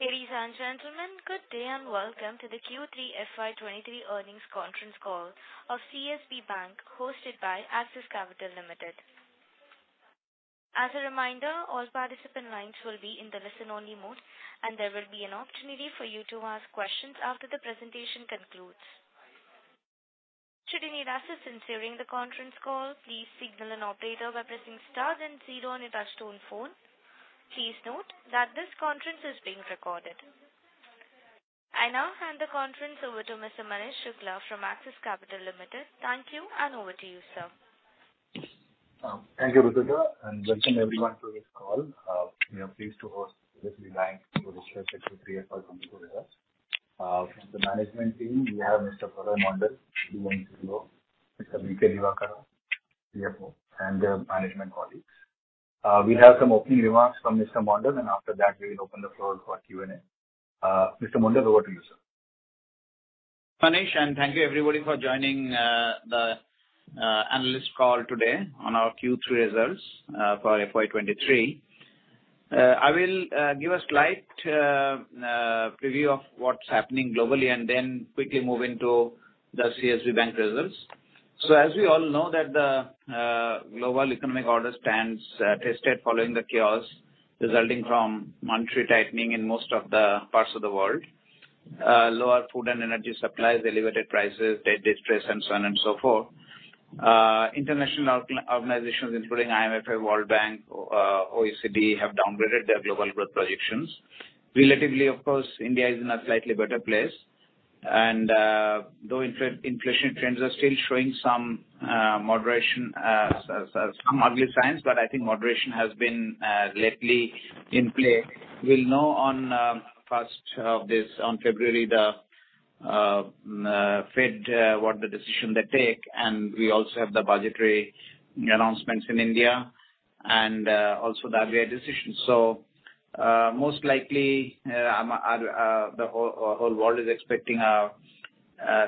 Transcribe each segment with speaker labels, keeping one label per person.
Speaker 1: Ladies and gentlemen, good day and welcome to the Q3 FY 2023 earnings conference call of CSB Bank hosted by Axis Capital Limited. As a reminder, all participant lines will be in the listen-only mode, and there will be an opportunity for you to ask questions after the presentation concludes. Should you need assistance during the conference call, please signal an operator by pressing star then zero on your touchtone phone. Please note that this conference is being recorded. I now hand the conference over to Mr. Manish Shukla from Axis Capital Limited. Thank you, and over to you, sir.
Speaker 2: Thank you, Ritika. Welcome everyone to this call. We are pleased to host CSB Bank to discuss its Q3 FY 2023 results. From the management team, we have Mr. Pralay Mondal, CEO; Mr. B.K. Diwakara, CFO; their management colleagues. We have some opening remarks from Mr. Mondal, after that, we will open the floor for Q&A. Mr. Mondal, over to you, sir.
Speaker 3: Manish, thank you everybody for joining the analyst call today on our Q3 results for FY 2023. I will give a slight preview of what's happening globally and then quickly move into the CSB Bank results. As we all know that the global economic order stands tested following the chaos resulting from monetary tightening in most of the parts of the world. Lower food and energy supplies, elevated prices, debt distress, and so on and so forth. International organizations, including IMF and World Bank, OECD, have downgraded their global growth projections. Relatively, of course, India is in a slightly better place. Though inflation trends are still showing some moderation, some ugly signs, I think moderation has been lately in play. We'll know on, first of this, on February the Fed, what the decision they take, and we also have the budgetary announcements in India and also the RBI decision. Most likely, the whole world is expecting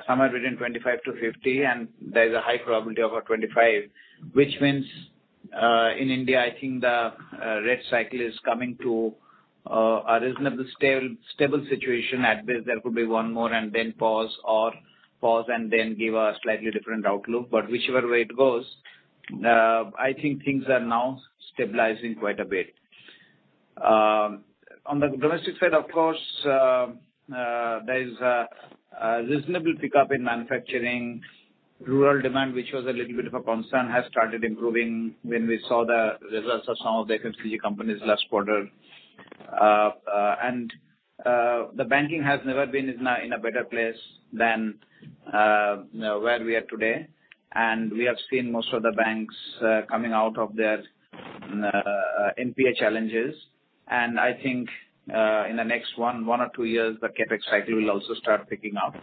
Speaker 3: somewhere between 25 to 50, and there's a high probability of a 25, which means in India, I think the rate cycle is coming to a reasonable stable situation. At best there could be one more and then pause or pause and then give a slightly different outlook. Whichever way it goes, I think things are now stabilizing quite a bit. On the domestic side, of course, there is a reasonable pickup in manufacturing. Rural demand, which was a little bit of a concern, has started improving when we saw the results of some of the FMCG companies last quarter. The banking has never been in a better place than where we are today. We have seen most of the banks coming out of their NPA challenges. I think in the next one or two years, the CapEx cycle will also start picking up.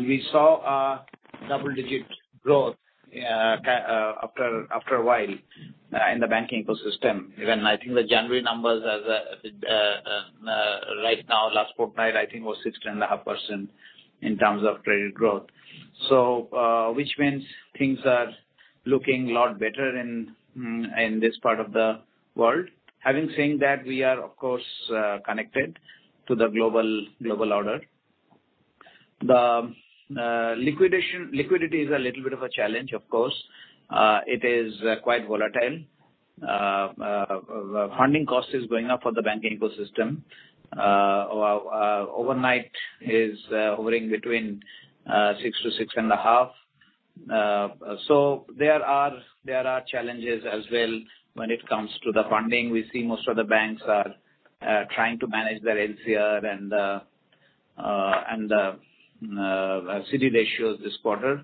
Speaker 3: We saw a double-digit growth after a while in the banking ecosystem. Even I think the January numbers as right now, last fortnight, I think was 6.5% in terms of credit growth. Which means things are looking a lot better in this part of the world. Having said that, we are of course connected to the global order. The liquidity is a little bit of a challenge, of course. It is quite volatile. Funding cost is going up for the banking ecosystem. Overnight is hovering between 6% to 6.5%. There are challenges as well when it comes to the funding. We see most of the banks are trying to manage their LCR and the CD ratios this quarter.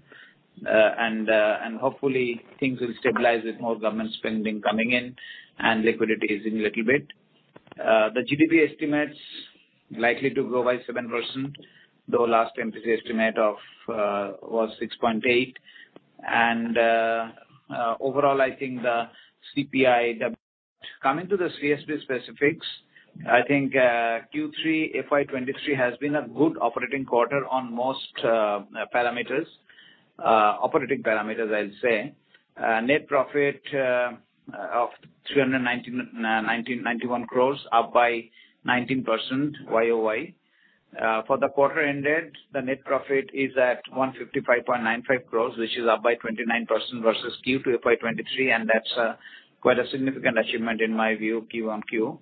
Speaker 3: Hopefully things will stabilize with more government spending coming in and liquidity easing a little bit. The GDP estimates likely to grow by 7%, though last month's estimate was 6.8%. Overall, I think the CPI. Coming to the CSB specifics, I think, Q3 FY 2023 has been a good operating quarter on most parameters, operating parameters, I'll say. Net profit of 391 crore, up by 19% YoY. For the quarter ended, the net profit is at 155.95 crore, which is up by 29% versus Q2 FY 2023, and that's quite a significant achievement in my view Q-on-Q.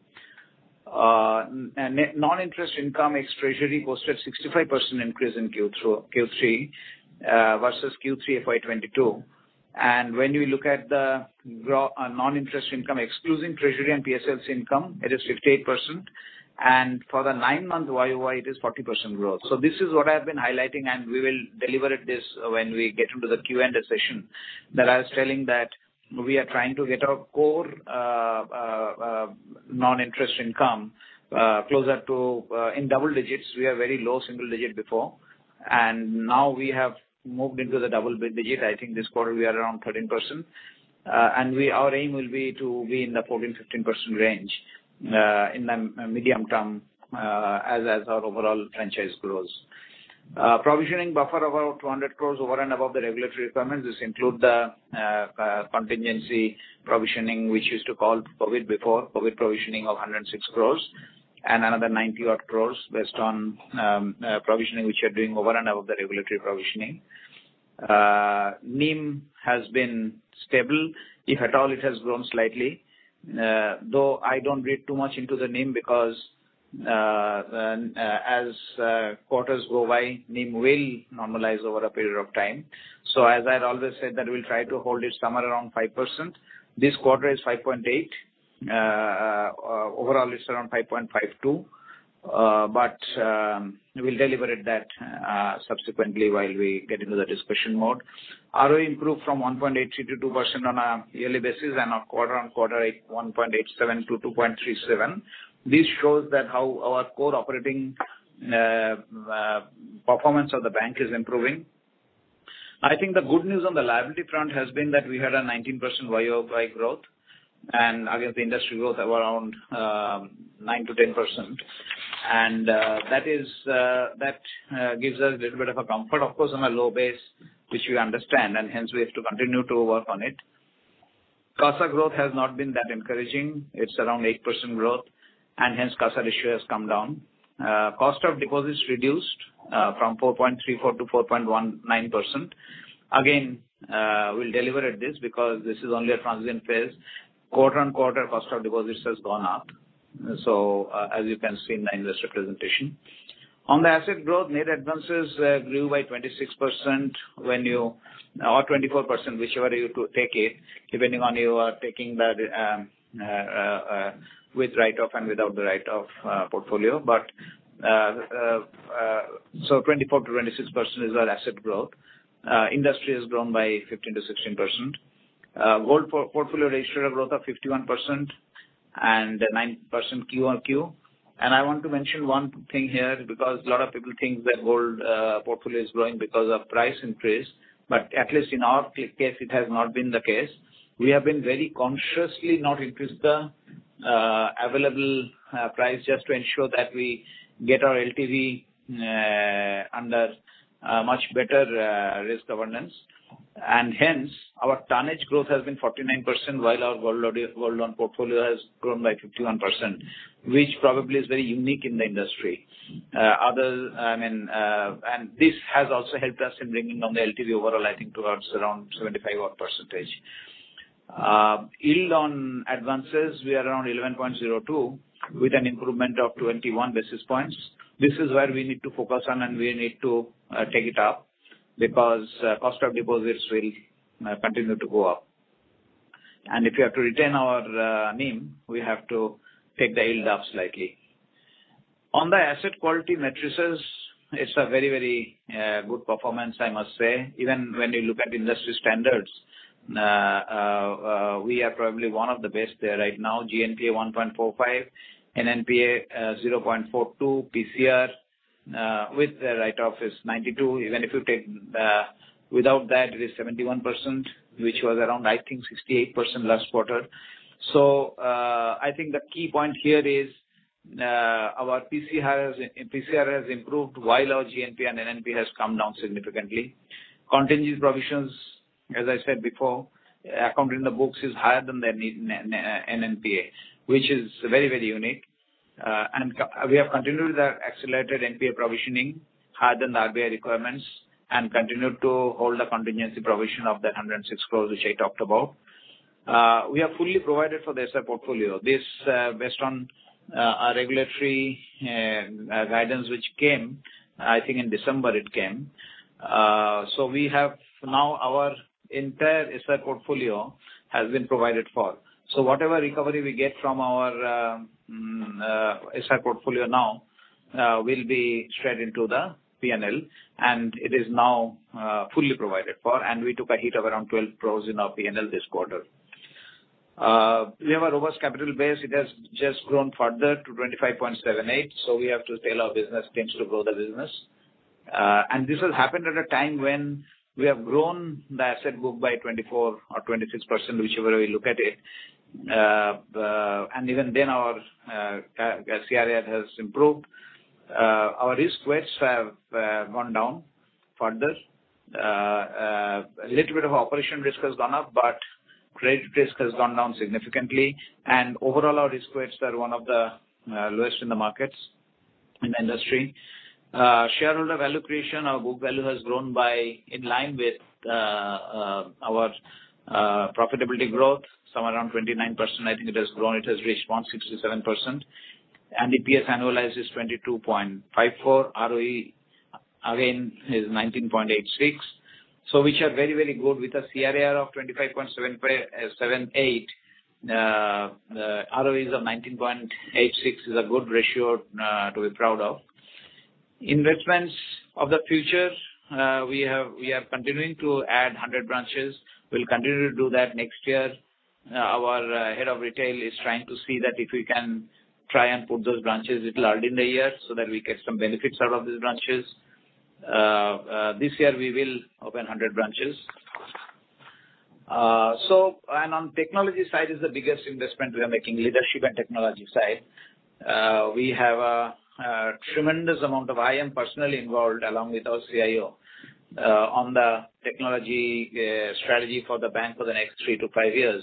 Speaker 3: Non-interest income ex treasury posted 65% increase in Q3 versus Q3 FY 2022. When you look at the non-interest income excluding treasury and PSLs income, it is 58%. For the nine-month YoY, it is 40% growth. This is what I've been highlighting, and we will deliver it this when we get into the Q&A session. I was telling that we are trying to get our core non-interest income closer to in double digits. We are very low single digit before. Now we have moved into the double digit. I think this quarter we are around 13%. Our aim will be to be in the 14%-15% range in the medium term as our overall franchise grows. Provisioning buffer of about 200 crore over and above the regulatory requirements. This include the contingency provisioning, which is to call COVID before COVID provisioning of 106 crore and another 90 odd crore based on provisioning which are doing over and above the regulatory provisioning. NIM has been stable, if at all it has grown slightly. Though I don't read too much into the NIM because then as quarters go by, NIM will normalize over a period of time. As I've always said that we'll try to hold it somewhere around 5%. This quarter is 5.8%. Overall it's around 5.52%. We'll deliberate that subsequently while we get into the discussion mode. ROE improved from 1.83% to 2% on a yearly basis and on quarter-on-quarter from 1.87% to 2.37%. This shows that how our core operating performance of the bank is improving. I think the good news on the liability front has been that we had a 19% YoY growth and against the industry growth of around 9%-10%. That is that gives us a little bit of a comfort, of course on a low base, which we understand, and hence we have to continue to work on it. CASA growth has not been that encouraging. It's around 8% growth and hence CASA ratio has come down. Cost of deposits reduced from 4.34% to 4.19%. Again, we'll deliberate this because this is only a transient phase. Quarter-on-quarter cost of deposits has gone up. As you can see in the industry presentation. On the asset growth, net advances grew by 26% or 24% whichever you to take it, depending on you are taking that with write-off and without the write-off portfolio. 24%-26% is our asset growth. Industry has grown by 15%-16%. Gold portfolio ratio growth of 51% and 9% QoQ. I want to mention one thing here because a lot of people think that gold portfolio is growing because of price increase, but at least in our case, it has not been the case. We have been very consciously not increase the available price just to ensure that we get our LTV under much better risk governance. Hence, our tonnage growth has been 49%, while our gold loan portfolio has grown by 51%, which probably is very unique in the industry. Other, this has also helped us in bringing down the LTV overall I think towards around 75 odd %. Yield on advances, we are around 11.02 with an improvement of 21 basis points. This is where we need to focus on and we need to take it up because cost of deposits will continue to go up. If you have to retain our NIM, we have to take the yield up slightly. On the asset quality metrics, it's a very, very good performance, I must say. Even when you look at industry standards, we are probably one of the best there right now. GNPA 1.45, NNPA 0.42, PCR with the write-off is 92. Even if you take, without that it is 71%, which was around, I think 68% last quarter. I think the key point here is, our PCR has improved while our GNPA and NNPA has come down significantly. Contingent provisions, as I said before, accounting the books is higher than the NNPA, which is very, very unique. We have continued our accelerated NPA provisioning higher than the RBI requirements and continued to hold the contingency provision of the 106 crore which I talked about. We have fully provided for the asset portfolio. This, based on, a regulatory, guidance which came, I think in December it came. We have now our entire asset portfolio has been provided for. Whatever recovery we get from our asset portfolio now will be straight into the P&L, and it is now fully provided for, and we took a hit of around 12 crore in our P&L this quarter. We have a robust capital base. It has just grown further to 25.78%. We have to scale our business, continue to grow the business. This has happened at a time when we have grown the asset book by 24% or 26%, whichever way you look at it. Even then our CRAR has improved. Our risk weights have gone down further. A little bit of operation risk has gone up, but credit risk has gone down significantly. Overall, our risk weights are one of the lowest in the markets, in the industry. Shareholder value creation, our book value has grown by in line with our profitability growth, somewhere around 29% I think it has grown. It has reached 167%. EPS annualized is 22.54. ROE again is 19.86. Which are very good. With a CRAR of 25.78, ROE is of 19.86 is a good ratio to be proud of. Investments of the future, we are continuing to add 100 branches. We'll continue to do that next year. Our head of retail is trying to see that if we can try and put those branches a little early in the year so that we get some benefits out of these branches. This year we will open 100 branches. On technology side is the biggest investment we are making, leadership and technology side. We have a tremendous amount of IM personally involved along with our CIO on the technology strategy for the bank for the next three to five years.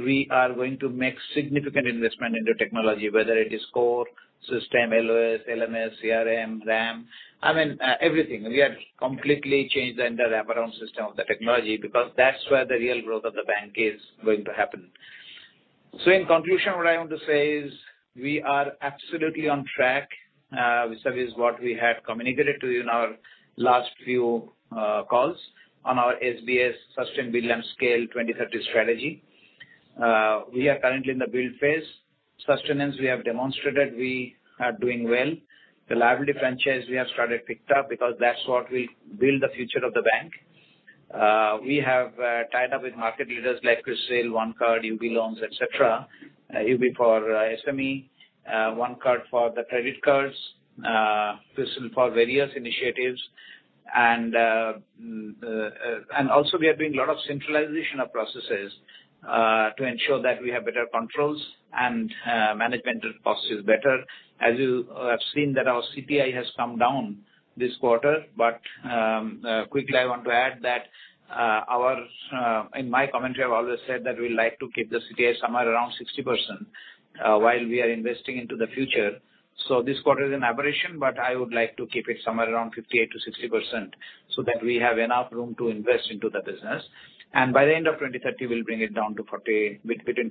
Speaker 3: We are going to make significant investment into technology, whether it is core system, LOS, LMS, CRM, RAM, I mean, everything. We are completely changed the entire wraparound system of the technology because that's where the real growth of the bank is going to happen. In conclusion, what I want to say is we are absolutely on track, which is what we had communicated to you in our last few calls on our SBS Sustain, Build, and Scale 2030 strategy. We are currently in the build phase. Sustenance, we have demonstrated we are doing well. The liability franchise we have started picked up because that's what will build the future of the bank. We have tied up with market leaders like CRISIL, OneCard, Yubi Loans, et cetera. Yubi for SME, OneCard for the credit cards, CRISIL for various initiatives. Also we are doing a lot of centralization of processes to ensure that we have better controls and management processes better. As you have seen that our CPI has come down this quarter. Quickly, I want to add that in my commentary, I've always said that we like to keep the CPI somewhere around 60% while we are investing into the future. This quarter is an aberration, but I would like to keep it somewhere around 58%-60%, so that we have enough room to invest into the business. By the end of 2030, we'll bring it down to between 40%-45%.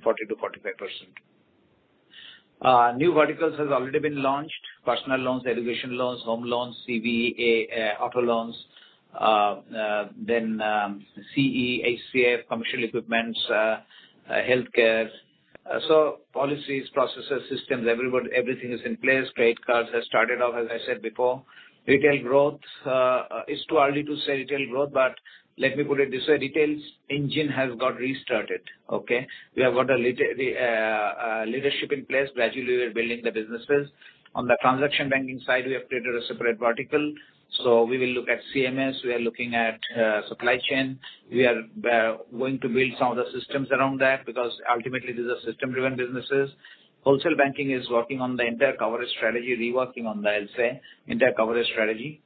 Speaker 3: New verticals has already been launched. Personal loans, education loans, home loans, CV, auto loans, then, CE, HCF, Commercial Equipments, Healthcare. Policies, processes, systems, everything is in place. Credit cards has started off, as I said before. Retail growth, it's too early to say retail growth, but let me put it this way, retails engine has got restarted. Okay? We have got the leadership in place. Gradually, we're building the businesses. On the transaction banking side, we have created a separate vertical. We will look at CMS, we are looking at supply chain. We are going to build some of the systems around that because ultimately, these are system-driven businesses. Wholesale Banking is working on the entire coverage strategy, reworking on the, I'll say, entire coverage strategy.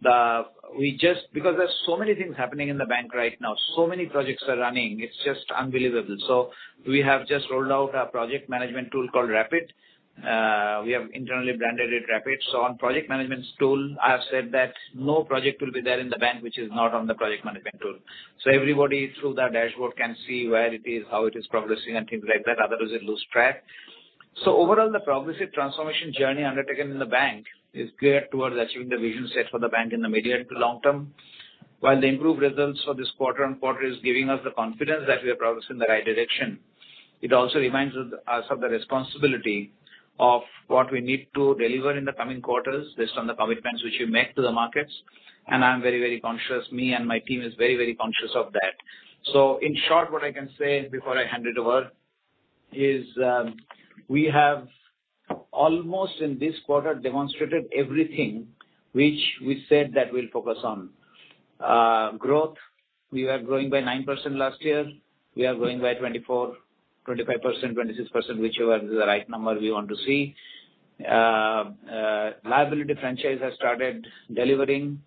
Speaker 3: Because there's so many things happening in the bank right now, so many projects are running, it's just unbelievable. We have just rolled out a project management tool called Rapid. We have internally branded it Rapid. On project management tool, I have said that no project will be there in the bank, which is not on the project management tool. Everybody through the dashboard can see where it is, how it is progressing, and things like that. Otherwise, it lose track. Overall, the progressive transformation journey undertaken in the bank is geared towards achieving the vision set for the bank in the medium to long term. While the improved results for this quarter-on-quarter is giving us the confidence that we are progressing in the right direction, it also reminds us of the responsibility of what we need to deliver in the coming quarters based on the commitments which we make to the markets. I'm very, very conscious, me and my team is very, very conscious of that. In short, what I can say before I hand it over is, we have almost in this quarter demonstrated everything which we said that we'll focus on. Growth, we were growing by 9% last year. We are growing by 24%, 25%, 26%, whichever is the right number we want to see. Liability franchise has started delivering.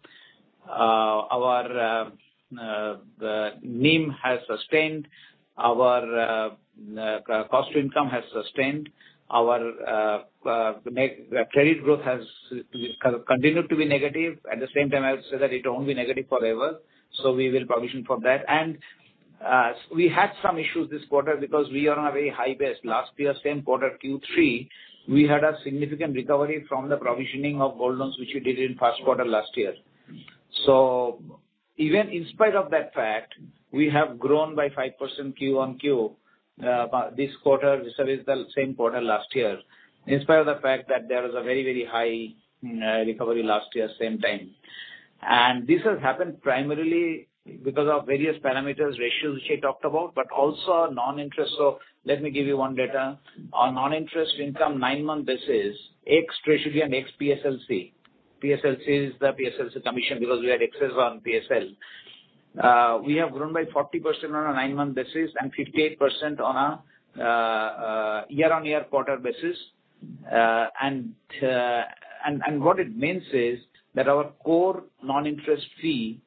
Speaker 3: Our NIM has sustained. Our cost-to-income has sustained. Our credit growth has kind of continued to be negative. At the same time, I would say that it won't be negative forever, so we will provision for that. We had some issues this quarter because we are on a very high base. Last year, same quarter, Q3, we had a significant recovery from the provisioning of gold loans which we did in first quarter last year. Even in spite of that fact, we have grown by 5% Q on Q this quarter versus the same quarter last year, in spite of the fact that there is a very, very high recovery last year same time. This has happened primarily because of various parameters, ratios, which I talked about, but also non-interest. Let me give you 1 data. Our non-interest income, nine-month basis, ex-treasury and ex-PSLC. PSLC is the PSLC commission because we had excess on PSL. We have grown by 40% on a nine-month basis and 58% on a year-on-year quarter basis. What it means is that our core non-interest fee,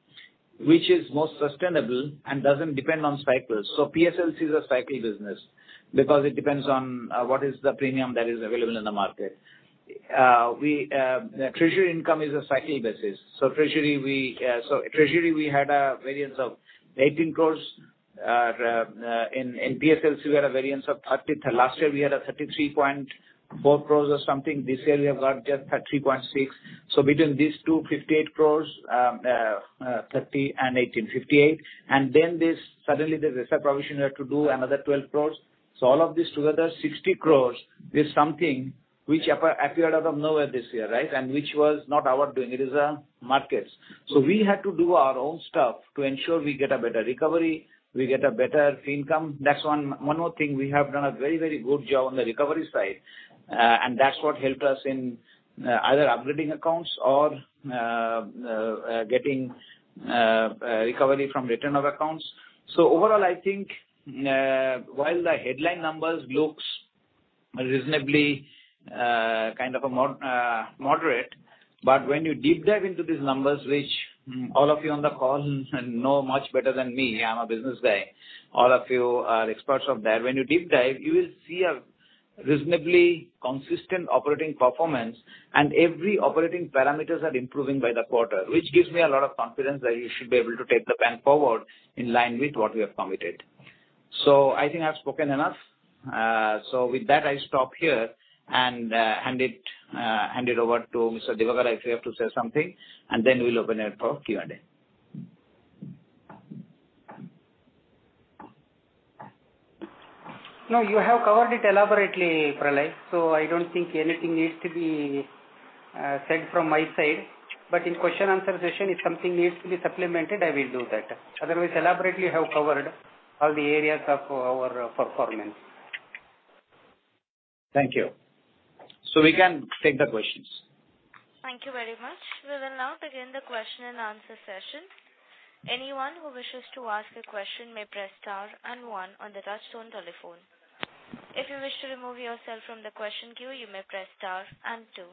Speaker 3: which is most sustainable and doesn't depend on cycles. PSLC is a cycle business because it depends on what is the premium that is available in the market. The treasury income is a cycle basis. Treasury we had a variance of 18 crore. In PSLC, we had a variance of 30 crore. Last year we had a 33.4 crore or something. This year we have got just 30.6 crore. Between these two, 58 crore, 30 crore and 18 crore, 58 crore. Then this, suddenly there's a set provision we had to do, another 12 crore. All of this together, 60 crore is something which appeared out of nowhere this year, right? Which was not our doing. It is markets. We had to do our own stuff to ensure we get a better recovery, we get a better fee income. That's one more thing, we have done a very, very good job on the recovery side. That's what helped us in either upgrading accounts or getting recovery from written off accounts. Overall, I think, while the headline numbers looks reasonably, kind of a moderate. When you deep dive into these numbers, which all of you on the call know much better than me, I'm a business guy. All of you are experts of that. When you deep dive, you will see a reasonably consistent operating performance, and every operating parameters are improving by the quarter, which gives me a lot of confidence that you should be able to take the Bank forward in line with what we have committed. I think I've spoken enough. With that, I stop here and hand it over to Mr. Divakara if you have to say something, and then we'll open it for Q&A.
Speaker 4: You have covered it elaborately, Pralay, so I don't think anything needs to be said from my side. In question and answer session, if something needs to be supplemented, I will do that. Otherwise, elaborately you have covered all the areas of our performance.
Speaker 3: Thank you. We can take the questions.
Speaker 1: Thank you very much. We will now begin the question and answer session. Anyone who wishes to ask a question may press star and one on the touchtone telephone. If you wish to remove yourself from the question queue, you may press star and two.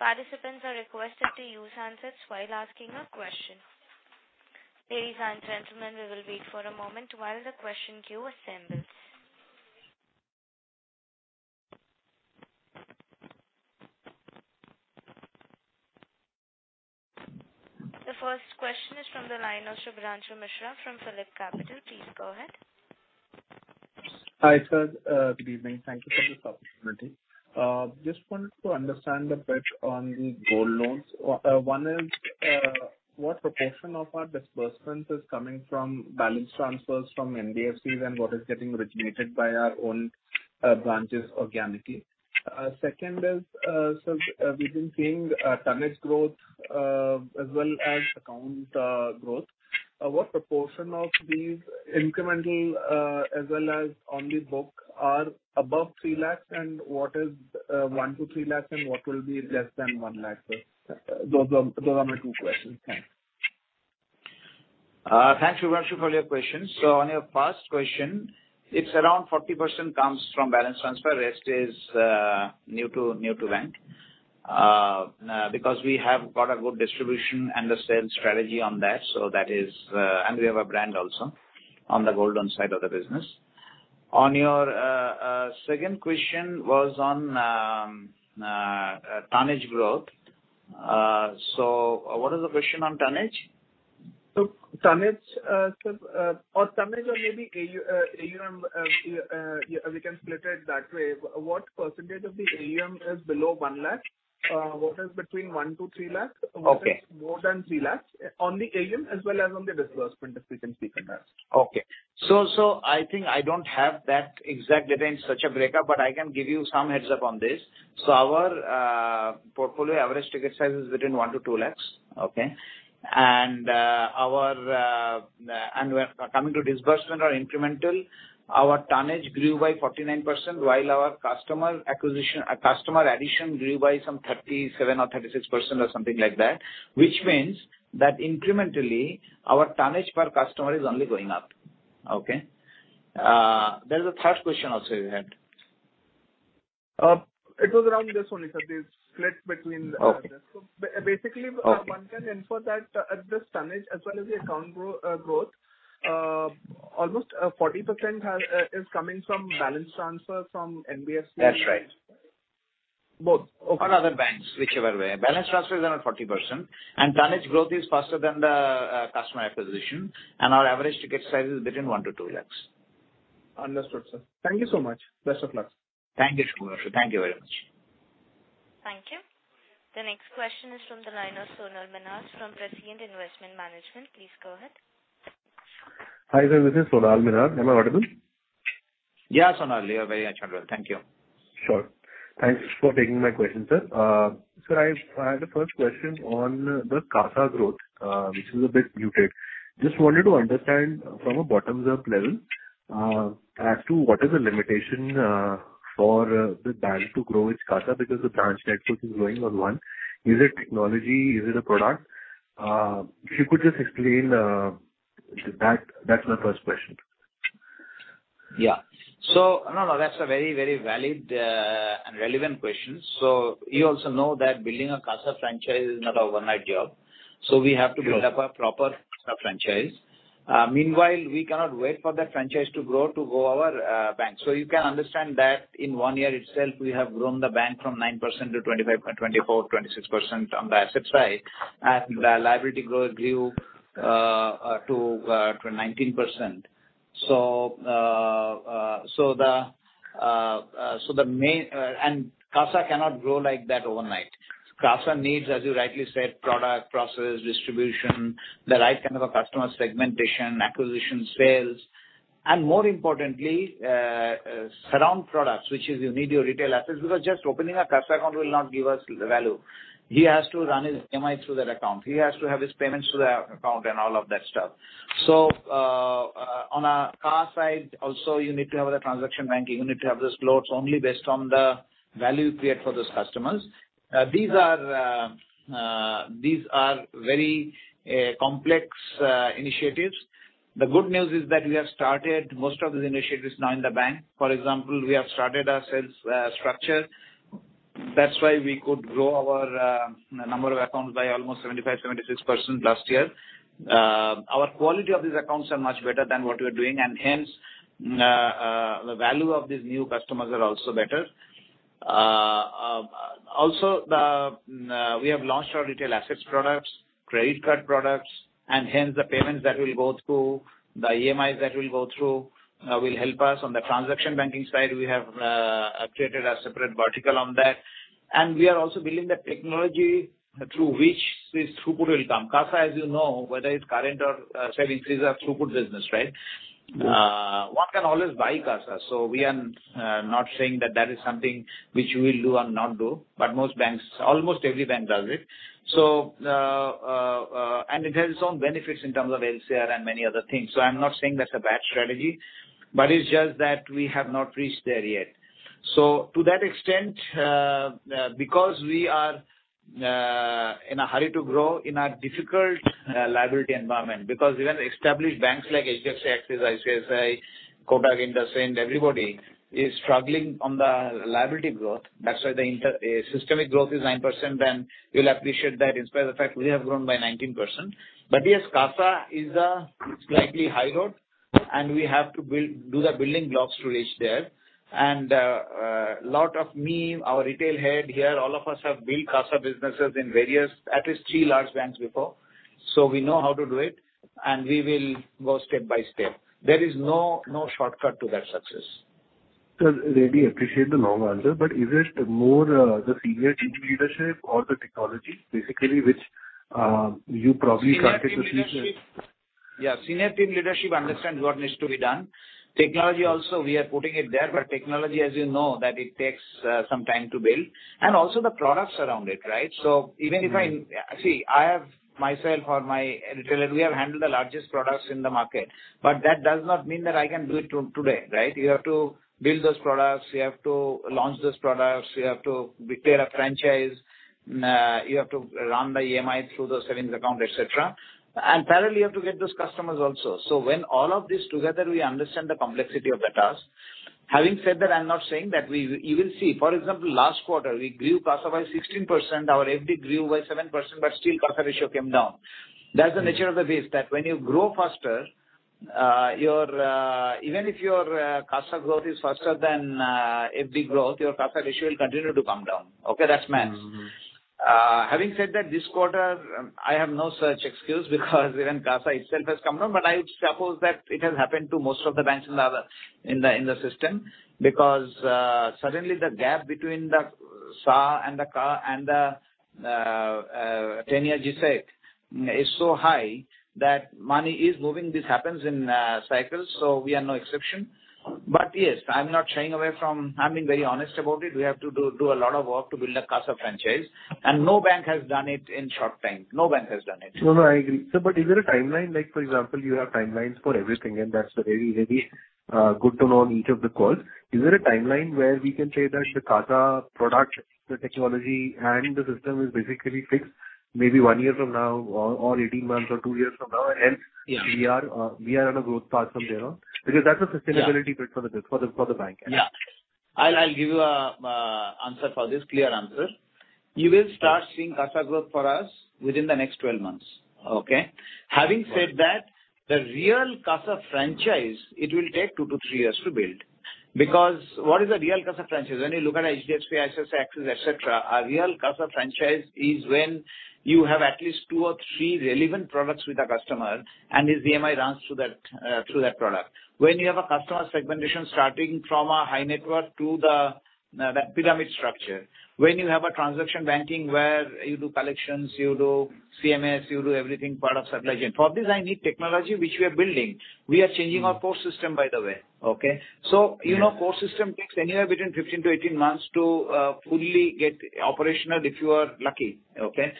Speaker 1: Participants are requested to use handsets while asking a question. Ladies and gentlemen, we will wait for a moment while the question queue assembles. The first question is from the line of Shubhranshu Mishra from PhillipCapital. Please go ahead.
Speaker 5: Hi, sir. good evening. Thank you for this opportunity. just wanted to understand a bit on the gold loans. one is, what proportion of our disbursements is coming from balance transfers from NBFCs and what is getting originated by our own branches organically? second is, so, we've been seeing tonnage growth as well as account growth. What proportion of these incremental as well as on the book are above 3 lakh, and what is 1 lakh-3 lakh, and what will be less than 1 lakh, sir? Those are my two questions. Thanks.
Speaker 3: Thanks, Shubhranshu, for your questions. On your first question, it's around 40% comes from balance transfer. Rest is new to bank because we have got a good distribution and the sales strategy on that. We have a brand also on the gold loan side of the business. On your second question was on tonnage growth. What is the question on tonnage?
Speaker 5: Tonnage, sir, or tonnage or maybe AUM, we can split it that way. What % of the AUM is below 1 lakh? What is between 1 lakh-3 lakh?
Speaker 3: Okay.
Speaker 5: What is more than 3 lakh on the AUM as well as on the disbursement, if we can speak on that?
Speaker 3: I think I don't have that exact data in such a breakup, but I can give you some heads up on this. Our portfolio average ticket size is between 1 lakh-2 lakh. Our and we're coming to disbursement or incremental, our tonnage grew by 49%, while our customer addition grew by some 37% or 36% or something like that. Which means that incrementally, our tonnage per customer is only going up. There's a third question also you had.
Speaker 5: It was around this only, sir. The split between
Speaker 3: Okay.
Speaker 5: Basically-
Speaker 3: Okay.
Speaker 5: One can infer that the tonnage as well as the account growth, almost 40% is coming from balance transfer from NBFC.
Speaker 3: That's right.
Speaker 5: Both.
Speaker 3: Other banks, whichever way. Balance transfer is around 40%, and tonnage growth is faster than the customer acquisition, and our average ticket size is between 1 lakh-2 lakhs.
Speaker 5: Understood, sir. Thank you so much. Best of luck.
Speaker 3: Thank you, Shubhranshu. Thank you very much.
Speaker 1: Thank you. The next question is from the line of Sonal Minhas from Prescient Investment Management. Please go ahead.
Speaker 6: Hi there. This is Sonal Minhas. Am I audible?
Speaker 3: Yeah, Sonal. You're very much audible. Thank you.
Speaker 6: Sure. Thanks for taking my question, sir. I had a first question on the CASA growth, which is a bit muted. Just wanted to understand from a bottoms up level as to what is the limitation for the bank to grow its CASA because the branch network is growing on one. Is it technology? Is it a product? If you could just explain that's my first question.
Speaker 3: Yeah. No, that's a very valid and relevant question. You also know that building a CASA franchise is not a overnight job.
Speaker 6: Right.
Speaker 3: -build up a proper franchise. meanwhile, we cannot wait for that franchise to grow to grow our bank. You can understand that in one year itself, we have grown the bank from 9% to 24%, 26% on the assets side, and the liability growth grew to 19%. CASA cannot grow like that overnight. CASA needs, as you rightly said, product, process, distribution, the right kind of a customer segmentation, acquisition, sales, and more importantly, surround products, which is you need your retail assets, because just opening a CASA account will not give us the value. He has to run his EMI through that account. He has to have his payments to the account and all of that stuff. On a CASA side also you need to have the transaction banking. You need to have those loans only based on the value you create for those customers. These are very complex initiatives. The good news is that we have started most of these initiatives now in the bank. For example, we have started our sales structure. That's why we could grow our number of accounts by almost 75%-76% last year. Our quality of these accounts are much better than what we're doing, and hence, the value of these new customers are also better. Also, we have launched our retail assets products, credit card products, and hence the payments that will go through, the EMIs that will go through, will help us. On the transaction banking side, we have created a separate vertical on that. We are also building the technology through which this throughput will come. CASA, as you know, whether it's current or savings, is a throughput business, right?
Speaker 6: Mm-hmm.
Speaker 3: One can always buy CASA, we are not saying that that is something which we will do or not do, but almost every bank does it. And it has its own benefits in terms of LCR and many other things. I'm not saying that's a bad strategy, but it's just that we have not reached there yet. To that extent, because we are in a hurry to grow in a difficult liability environment, because even established banks like HDFC, Axis, ICICI, Kotak, IndusInd, everybody is struggling on the liability growth. That's why the systemic growth is 9%, you'll appreciate that in spite of the fact we have grown by 19%. Yes, CASA is a slightly high road, and we have to build, do the building blocks to reach there. Our retail head here, all of us have built CASA businesses in various, at least three large banks before. We know how to do it, and we will go step by step. There is no shortcut to that success.
Speaker 6: Sir, really appreciate the long answer, but is it more, the senior team leadership or the technology basically which, you probably can't take the.
Speaker 3: Senior team leadership. Senior team leadership understand what needs to be done. Technology also, we are putting it there, but technology, as you know, that it takes some time to build. Also the products around it, right? Even if I. See, I have myself or my retailer, we have handled the largest products in the market, but that does not mean that I can do it today, right? You have to build those products, you have to launch those products, you have to declare a franchise, you have to run the EMI through the savings account, et cetera. Parallel, you have to get those customers also. When all of this together, we understand the complexity of the task. Having said that, I'm not saying that we... You will see, for example, last quarter, we grew CASA by 16%, our FD grew by 7%, but still CASA ratio came down. That's the nature of the beast, that when you grow faster, your even if your CASA growth is faster than FD growth, your CASA ratio will continue to come down. Okay? That's math.
Speaker 6: Mm-hmm.
Speaker 3: Having said that, this quarter, I have no such excuse because even CASA itself has come down. I would suppose that it has happened to most of the banks in the system because suddenly the gap between the CASA and the CA and the tenure G-Sec is so high that money is moving. This happens in cycles, so we are no exception. Yes, I'm not shying away from. I'm being very honest about it. We have to do a lot of work to build a CASA franchise. No bank has done it in short time. No bank has done it.
Speaker 6: No, no, I agree. Is there a timeline, like for example, you have timelines for everything, and that's very, very good to know on each of the calls. Is there a timeline where we can say that the CASA product, the technology and the system is basically fixed maybe one year from now or 18 months or two years from now?
Speaker 3: Yeah.
Speaker 6: we are on a growth path from there on? Because that's a sustainability-
Speaker 3: Yeah.
Speaker 6: bit for the bank.
Speaker 3: Yeah. I'll give you a answer for this, clear answer. You will start seeing CASA growth for us within the next 12 months. Okay?
Speaker 6: Right.
Speaker 3: Having said that, the real CASA franchise, it will take two to three years to build. What is a real CASA franchise? When you look at HDFC, Axis et cetera, a real CASA franchise is when you have at least two or three relevant products with a customer and his EMI runs through that, through that product. When you have a customer segmentation starting from a high net worth to the pyramid structure. When you have a transaction banking where you do collections, you do CMS, you do everything part of supply chain. For this, I need technology which we are building. We are changing.
Speaker 6: Mm-hmm.
Speaker 3: -our core system, by the way. Okay?
Speaker 6: Yeah.
Speaker 3: You know, core system takes anywhere between 15-18 months to fully get operational if you are lucky. Okay?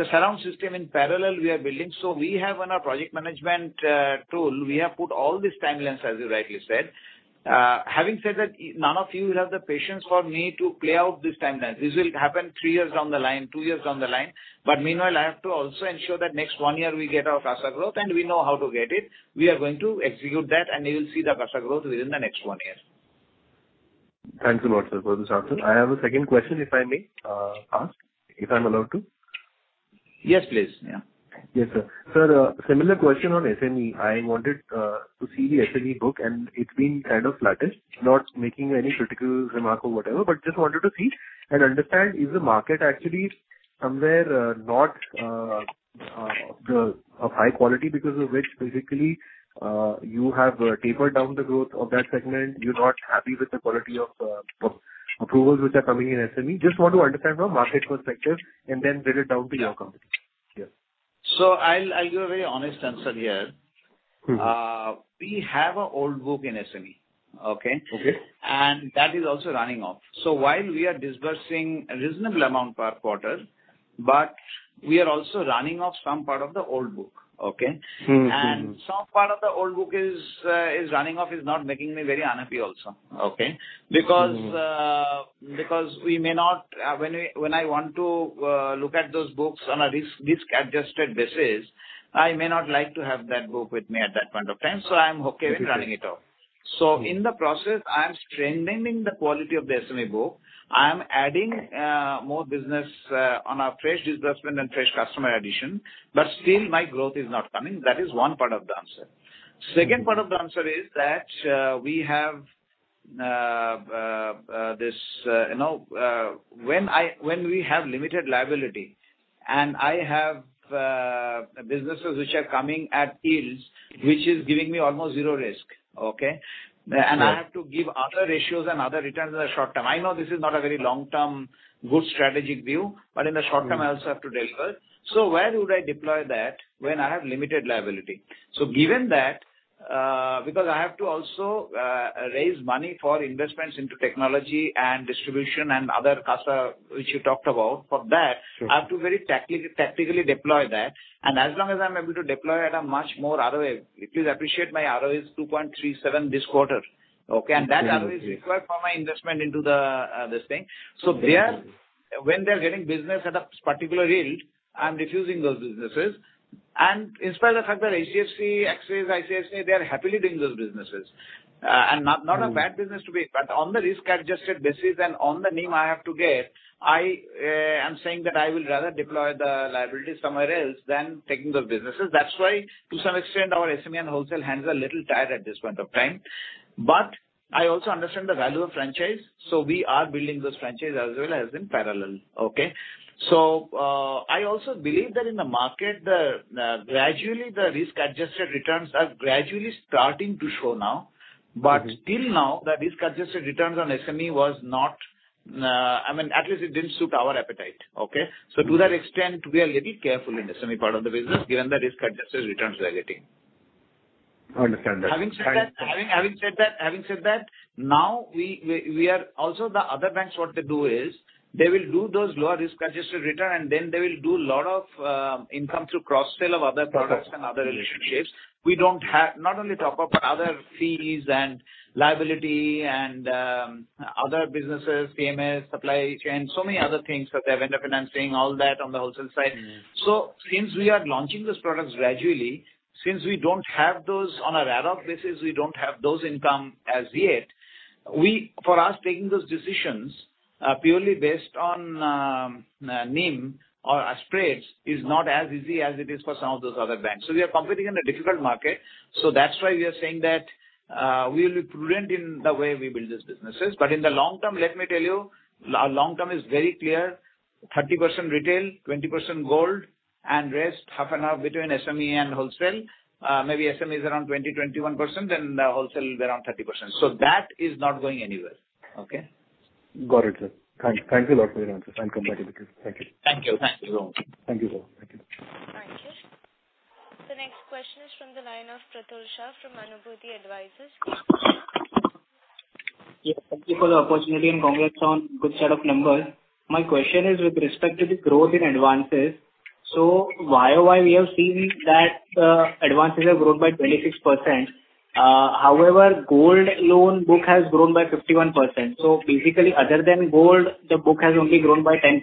Speaker 3: The surround system in parallel we are building. We have on our project management tool, we have put all these timelines, as you rightly said. Having said that, none of you will have the patience for me to play out this timeline. This will happen three years down the line, two years down the line. Meanwhile, I have to also ensure that next one year we get our CASA growth and we know how to get it. We are going to execute that and you will see the CASA growth within the next one year.
Speaker 6: Thanks a lot, sir, for this answer. I have a second question, if I may, ask, if I'm allowed to.
Speaker 3: Yes, please. Yeah.
Speaker 6: Yes, sir. Sir, similar question on SME. I wanted to see the SME book and it's been kind of flattish. Not making any critical remark or whatever, but just wanted to see and understand is the market actually somewhere not of high quality because of which basically you have tapered down the growth of that segment. You're not happy with the quality of approvals which are coming in SME. Just want to understand from a market perspective and then drill it down to your company.
Speaker 3: Yeah.
Speaker 6: Yes.
Speaker 3: I'll give a very honest answer here.
Speaker 6: Mm-hmm.
Speaker 3: We have a old book in SME. Okay?
Speaker 6: Okay.
Speaker 3: That is also running off. While we are disbursing a reasonable amount per quarter, but we are also running off some part of the old book. Okay?
Speaker 6: Mm-hmm. Mm-hmm.
Speaker 3: Some part of the old book is running off is not making me very unhappy also. Okay?
Speaker 6: Mm-hmm.
Speaker 3: We may not, when we, when I want to, look at those books on a risk-adjusted basis, I may not like to have that book with me at that point of time, so I'm okay with running it off.
Speaker 6: Mm-hmm.
Speaker 3: In the process, I am strengthening the quality of the SME book. I am adding, more business, on a fresh disbursement and fresh customer addition. Still my growth is not coming. That is one part of the answer.
Speaker 6: Mm-hmm.
Speaker 3: Second part of the answer is that, we have, this, you know, when we have limited liability and I have, businesses which are coming at yields, which is giving me almost zero risk, okay?
Speaker 6: Sure.
Speaker 3: I have to give other ratios and other returns in the short term. I know this is not a very long-term good strategic view, but in the short term.
Speaker 6: Mm-hmm.
Speaker 3: I also have to deliver. Where would I deploy that when I have limited liability? Given that, because I have to also, raise money for investments into technology and distribution and other CASA, which you talked about, for that.
Speaker 6: Sure.
Speaker 3: I have to very tactically deploy that. As long as I'm able to deploy at a much more RoA, please appreciate my RoA is 2.37% this quarter. Okay?
Speaker 6: Mm-hmm.
Speaker 3: That RoA is required for my investment into the this thing.
Speaker 6: Sure.
Speaker 3: There, when they're getting business at a particular yield, I'm refusing those businesses. In spite of the fact that HDFC, Axis, ICICI, they are happily doing those businesses. Not a bad business to be. On the risk-adjusted basis and on the NIM I have to get, I am saying that I will rather deploy the liability somewhere else than taking those businesses. That's why to some extent our SME and wholesale hands are a little tied at this point of time. I also understand the value of franchise, so we are building those franchise as well as in parallel. Okay? I also believe that in the market, the gradually the risk-adjusted returns are gradually starting to show now.
Speaker 6: Mm-hmm.
Speaker 3: Till now, the risk-adjusted returns on SME was not, I mean, at least it didn't suit our appetite, okay?
Speaker 6: Mm-hmm.
Speaker 3: To that extent, we are little careful in the SME part of the business, given the risk-adjusted returns we are getting.
Speaker 6: Understand that.
Speaker 3: Having said that, now we are also the other banks, what they do is they will do those lower risk-adjusted return, and then they will do lot of income through cross-sell of other products and other relationships. We don't have, not only top-up but other fees and liability and other businesses, PMS, supply chain, so many other things that they have end up financing all that on the wholesale side.
Speaker 6: Mm-hmm.
Speaker 3: Since we are launching those products gradually, since we don't have those on a run-up basis, we don't have those income as yet. We, for us, taking those decisions, purely based on NIM or spreads is not as easy as it is for some of those other banks. We are competing in a difficult market. That's why we are saying that we will be prudent in the way we build these businesses. In the long term, let me tell you, our long term is very clear. 30% retail, 20% gold and rest half and half between SME and wholesale. Maybe SME is around 20%-21%, then wholesale is around 30%. That is not going anywhere. Okay?
Speaker 6: Got it, sir. Thank you a lot for your answers. Thank you.
Speaker 3: Thank you.
Speaker 6: Thank you.
Speaker 3: Thank you.
Speaker 1: Thank you. The next question is from the line of Pruthul Shah from Anubhuti Advisors.
Speaker 7: Yeah, thank you for the opportunity and congrats on good set of numbers. My question is with respect to the growth in advances. YoY we have seen that advances have grown by 26%. However, gold loan book has grown by 51%. Basically other than gold, the book has only grown by 10%.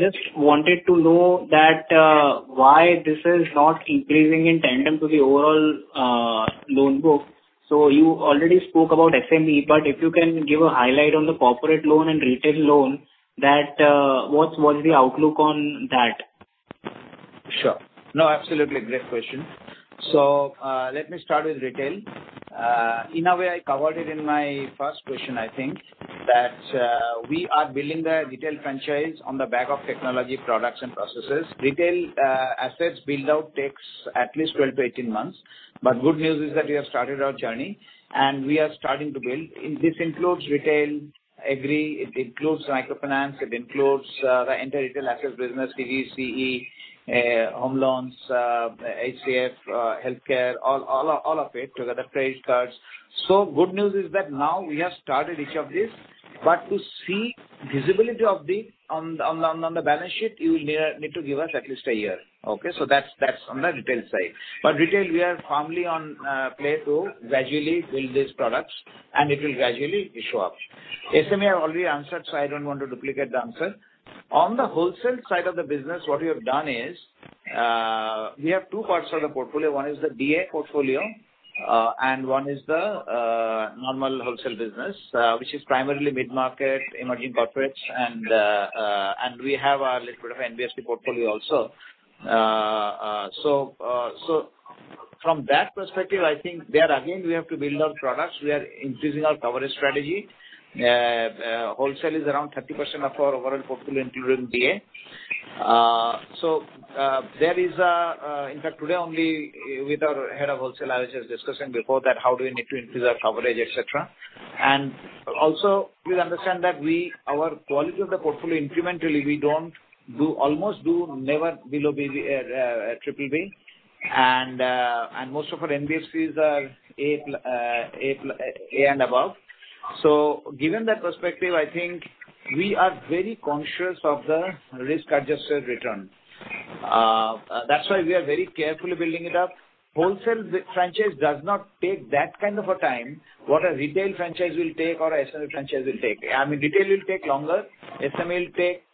Speaker 7: Just wanted to know that why this is not increasing in tandem to the overall loan book. You already spoke about SME, but if you can give a highlight on the corporate loan and retail loan that what's the outlook on that?
Speaker 3: Sure. No, absolutely. Great question. Let me start with retail. In a way I covered it in my first question I think, that we are building the retail franchise on the back of technology products and processes. Retail assets build-out takes at least 12-18 months. Good news is that we have started our journey and we are starting to build. This includes retail, Agri, it includes microfinance, it includes the entire retail assets business, CE, home loans, HCF, healthcare, all of it together, credit cards. Good news is that now we have started each of these. To see visibility of these on the balance sheet, you will need to give us at least a year. Okay? That's on the retail side. Retail, we are firmly on play to gradually build these products and it will gradually show up. SME, I already answered, so I don't want to duplicate the answer. On the wholesale side of the business, what we have done is, we have two parts of the portfolio. One is the DA portfolio, and one is the normal wholesale business, which is primarily mid-market, emerging corporates and we have our little bit of NBFC portfolio also. From that perspective, I think there again, we have to build our products. We are increasing our coverage strategy. Wholesale is around 30% of our overall portfolio, including DA. There is a, in fact today only with our head of wholesale I was just discussing before that how do we need to increase our coverage, et cetera. Please understand that we, our quality of the portfolio incrementally, we don't do, almost do never below BB, BBB. Most of our NBFCs are A, A and above. Given that perspective, I think we are very conscious of the risk-adjusted return. That's why we are very carefully building it up. Wholesale franchise does not take that kind of a time what a retail franchise will take or a SME franchise will take. I mean, retail will take longer, SME will take,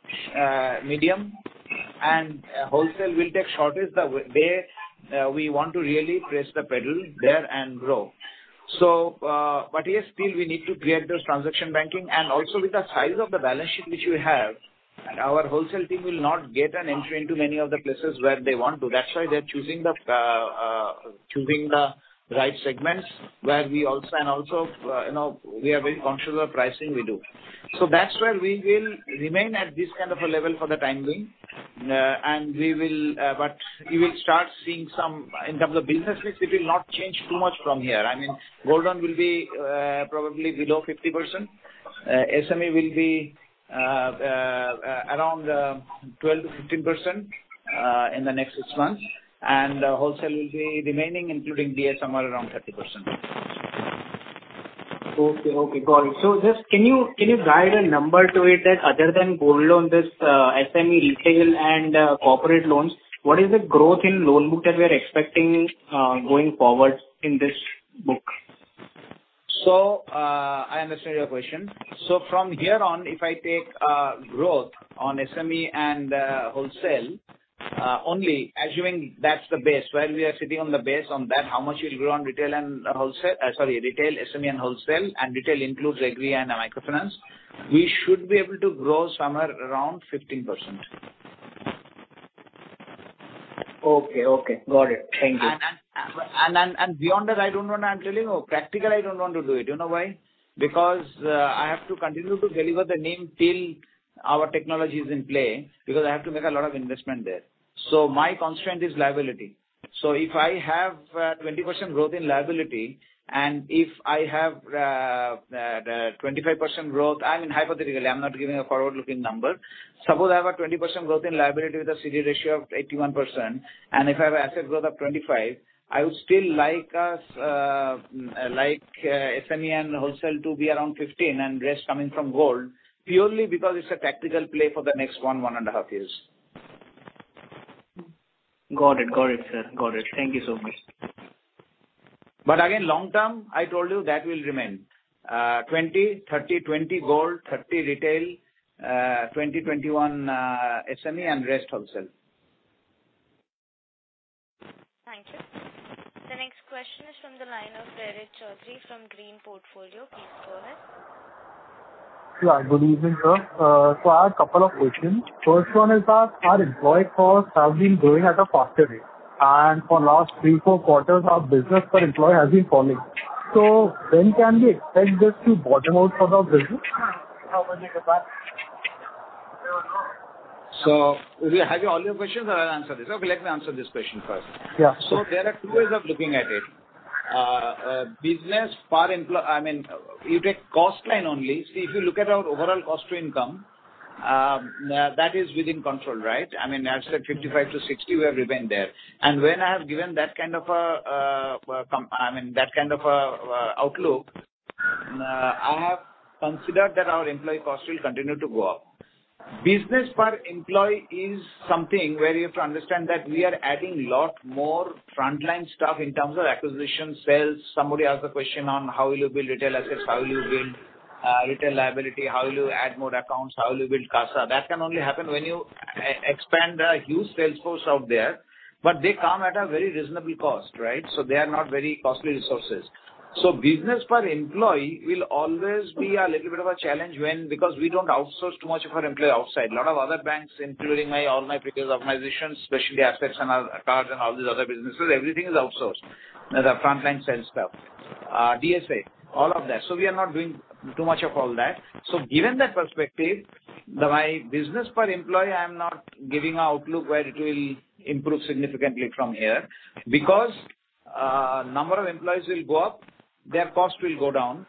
Speaker 3: medium and wholesale will take shortest. There, we want to really press the pedal there and grow. But, yes, still we need to create those transaction banking and also with the size of the balance sheet which we have, our wholesale team will not get an entry into many of the places where they want to. That's why they're choosing the right segments where we also and also, you know, we are very conscious of pricing we do. That's where we will remain at this kind of a level for the time being. And we will, but you will start seeing some in terms of business mix, it will not change too much from here. I mean, gold loan will be probably below 50%. SME will be around 12%-15% in the next six months. Wholesale will be remaining, including DA, somewhere around 30%.
Speaker 7: Okay. Okay, got it. Just can you guide a number to it that other than gold loan, this SME, retail and corporate loans, what is the growth in loan book that we are expecting going forward in this book?
Speaker 3: I understand your question. From here on, if I take growth on SME and wholesale, only assuming that's the base where we are sitting on the base on that how much it'll grow on retail and wholesale. Sorry, retail, SME and wholesale and retail includes Agri and microfinance. We should be able to grow somewhere around 15%.
Speaker 7: Okay. Okay. Got it. Thank you.
Speaker 3: Beyond that, I don't want to. I'm telling you practical, I don't want to do it. You know why? Because I have to continue to deliver the NIM till our technology is in play because I have to make a lot of investment there. My constraint is liability. If I have 20% growth in liability, and if I have 25% growth, I mean, hypothetically, I'm not giving a forward-looking number. Suppose I have a 20% growth in liability with a CD ratio of 81%, and if I have asset growth of 25%, I would still like us, like SME and wholesale to be around 15% and rest coming from gold purely because it's a tactical play for the next one and a half years.
Speaker 7: Got it. Got it, sir. Got it. Thank you so much.
Speaker 3: Again, long term, I told you that will remain, 20, 30, 20 gold, 30 retail, 20/21, SME and rest wholesale.
Speaker 1: Thank you. The next question is from the line of Prerit Choudhary from Green Portfolio. Please go ahead.
Speaker 8: Yeah. Good evening, sir. I have a couple of questions. First one is that our employee costs have been growing at a faster rate, and for last three, four quarters, our business per employee has been falling. When can we expect this to bottom out for our business? How would you look at that?
Speaker 3: Have you all your questions or I'll answer this? Okay, let me answer this question first.
Speaker 8: Yeah.
Speaker 3: There are two ways of looking at it. business per employ- I mean, you take cost line only. If you look at our overall cost-to-income, that is within control, right? I mean, as at 55%-60%, we have remained there. When I have given that kind of, com-- I mean, that kind of, outlook, I have considered that our employee cost will continue to go up. Business per employee is something where you have to understand that we are adding lot more frontline staff in terms of acquisition, sales. Somebody asked a question on how will you build retail assets, how will you build retail liability, how will you add more accounts, how will you build CASA. That can only happen when you expand a huge sales force out there, but they come at a very reasonable cost, right? They are not very costly resources. Business per employee will always be a little bit of a challenge when because we don't outsource too much of our employee outside. A lot of other banks, including my, all my previous organizations, specialty assets and cards and all these other businesses, everything is outsourced. The frontline sales staff, DSA, all of that. We are not doing too much of all that. Given that perspective, my business per employee, I am not giving a outlook where it will improve significantly from here because, number of employees will go up, their cost will go down,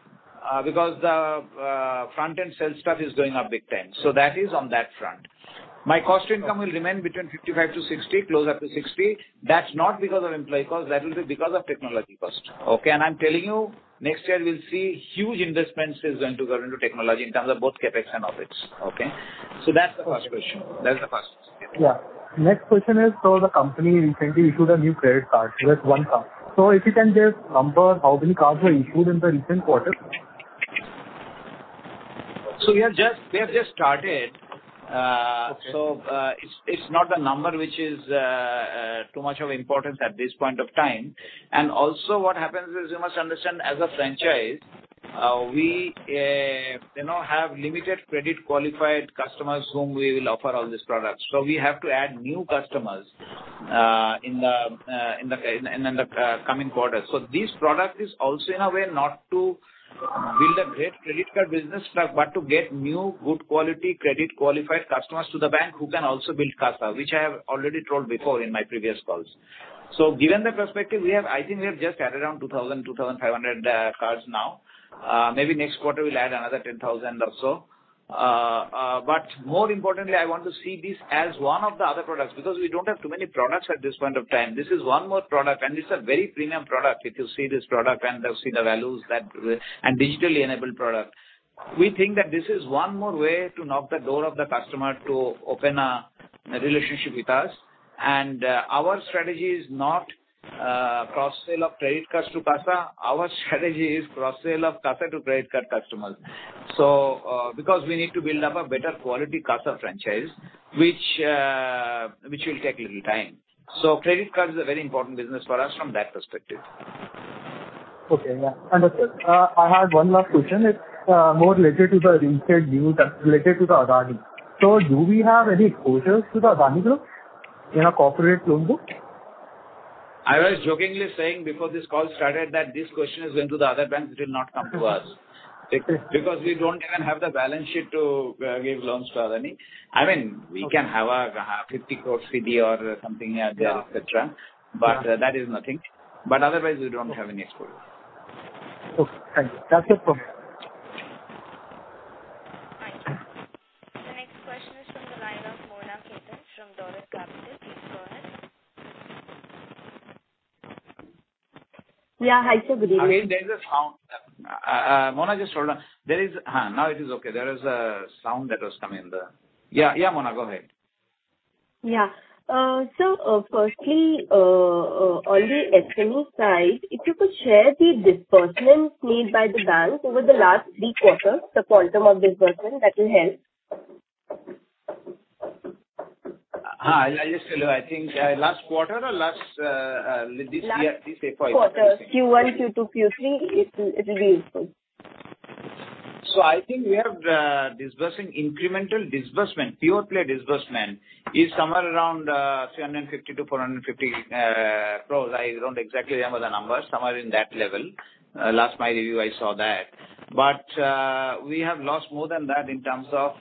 Speaker 3: because the front-end sales staff is going up big time. That is on that front. My cost to income will remain between 55%-60%, close up to 60%. That's not because of employee costs. That will be because of technology cost. Okay. I'm telling you, next year we'll see huge investments is going to go into technology in terms of both CapEx and OpEx. Okay? That's the first question.
Speaker 8: Yeah. Next question is, so the company recently issued a new credit card with OneCard. If you can just number how many cards were issued in the recent quarter?
Speaker 3: We have just started.
Speaker 8: Okay.
Speaker 3: it's not a number which is too much of importance at this point of time. Also what happens is you must understand as a franchise, we, you know, have limited credit qualified customers whom we will offer all these products. We have to add new customers in the coming quarters. This product is also in a way not to build a great credit card business but to get new, good quality credit qualified customers to the bank who can also build CASA, which I have already told before in my previous calls. Given the perspective we have, I think we have just added around 2,000, 2,500 cards now. Maybe next quarter we'll add another 10,000 or so. But more importantly, I want to see this as one of the other products because we don't have too many products at this point of time. This is one more product, and this is a very premium product. If you see this product and you see the values that, and digitally enabled product. We think that this is one more way to knock the door of the customer to open a relationship with us. Our strategy is not cross-sell of credit cards to CASA. Our strategy is cross-sell of CASA to credit card customers. Because we need to build up a better quality CASA franchise, which will take little time. Credit card is a very important business for us from that perspective.
Speaker 8: Okay, yeah. Understood. I had one last question. It's more related to the retail view that's related to the Adani. Do we have any exposures to the Adani Group in our corporate loan book?
Speaker 3: I was jokingly saying before this call started that this question has went to the other banks, it will not come to us. We don't even have the balance sheet to give loans to Adani. I mean.
Speaker 8: Okay.
Speaker 3: We can have a, 50 crore CD or something here, there, et cetera.
Speaker 8: Yeah.
Speaker 3: That is nothing. Otherwise we don't have any exposure.
Speaker 8: Okay, thank you. That's it for me.
Speaker 1: The next question is from the line of Mona Khetan from Dolat Capital. Please go ahead.
Speaker 9: Yeah. Hi, good evening.
Speaker 3: Again, there is a sound. Mona, just hold on. Now it is okay. There is a sound that was coming in the. Yeah, Mona, go ahead.
Speaker 9: Yeah. Firstly, on the SME side, if you could share the disbursements made by the bank over the last three quarters, the quantum of disbursement, that will help.
Speaker 3: Hi. I'll just tell you, I think, last quarter or last, this year please say for everything.
Speaker 9: Last quarter. Q1, Q2, Q3, it will be useful.
Speaker 3: I think we have disbursing, incremental disbursement. Pure play disbursement is somewhere around 350-450 crore. I don't exactly remember the numbers. Somewhere in that level. Last my review I saw that. We have lost more than that in terms of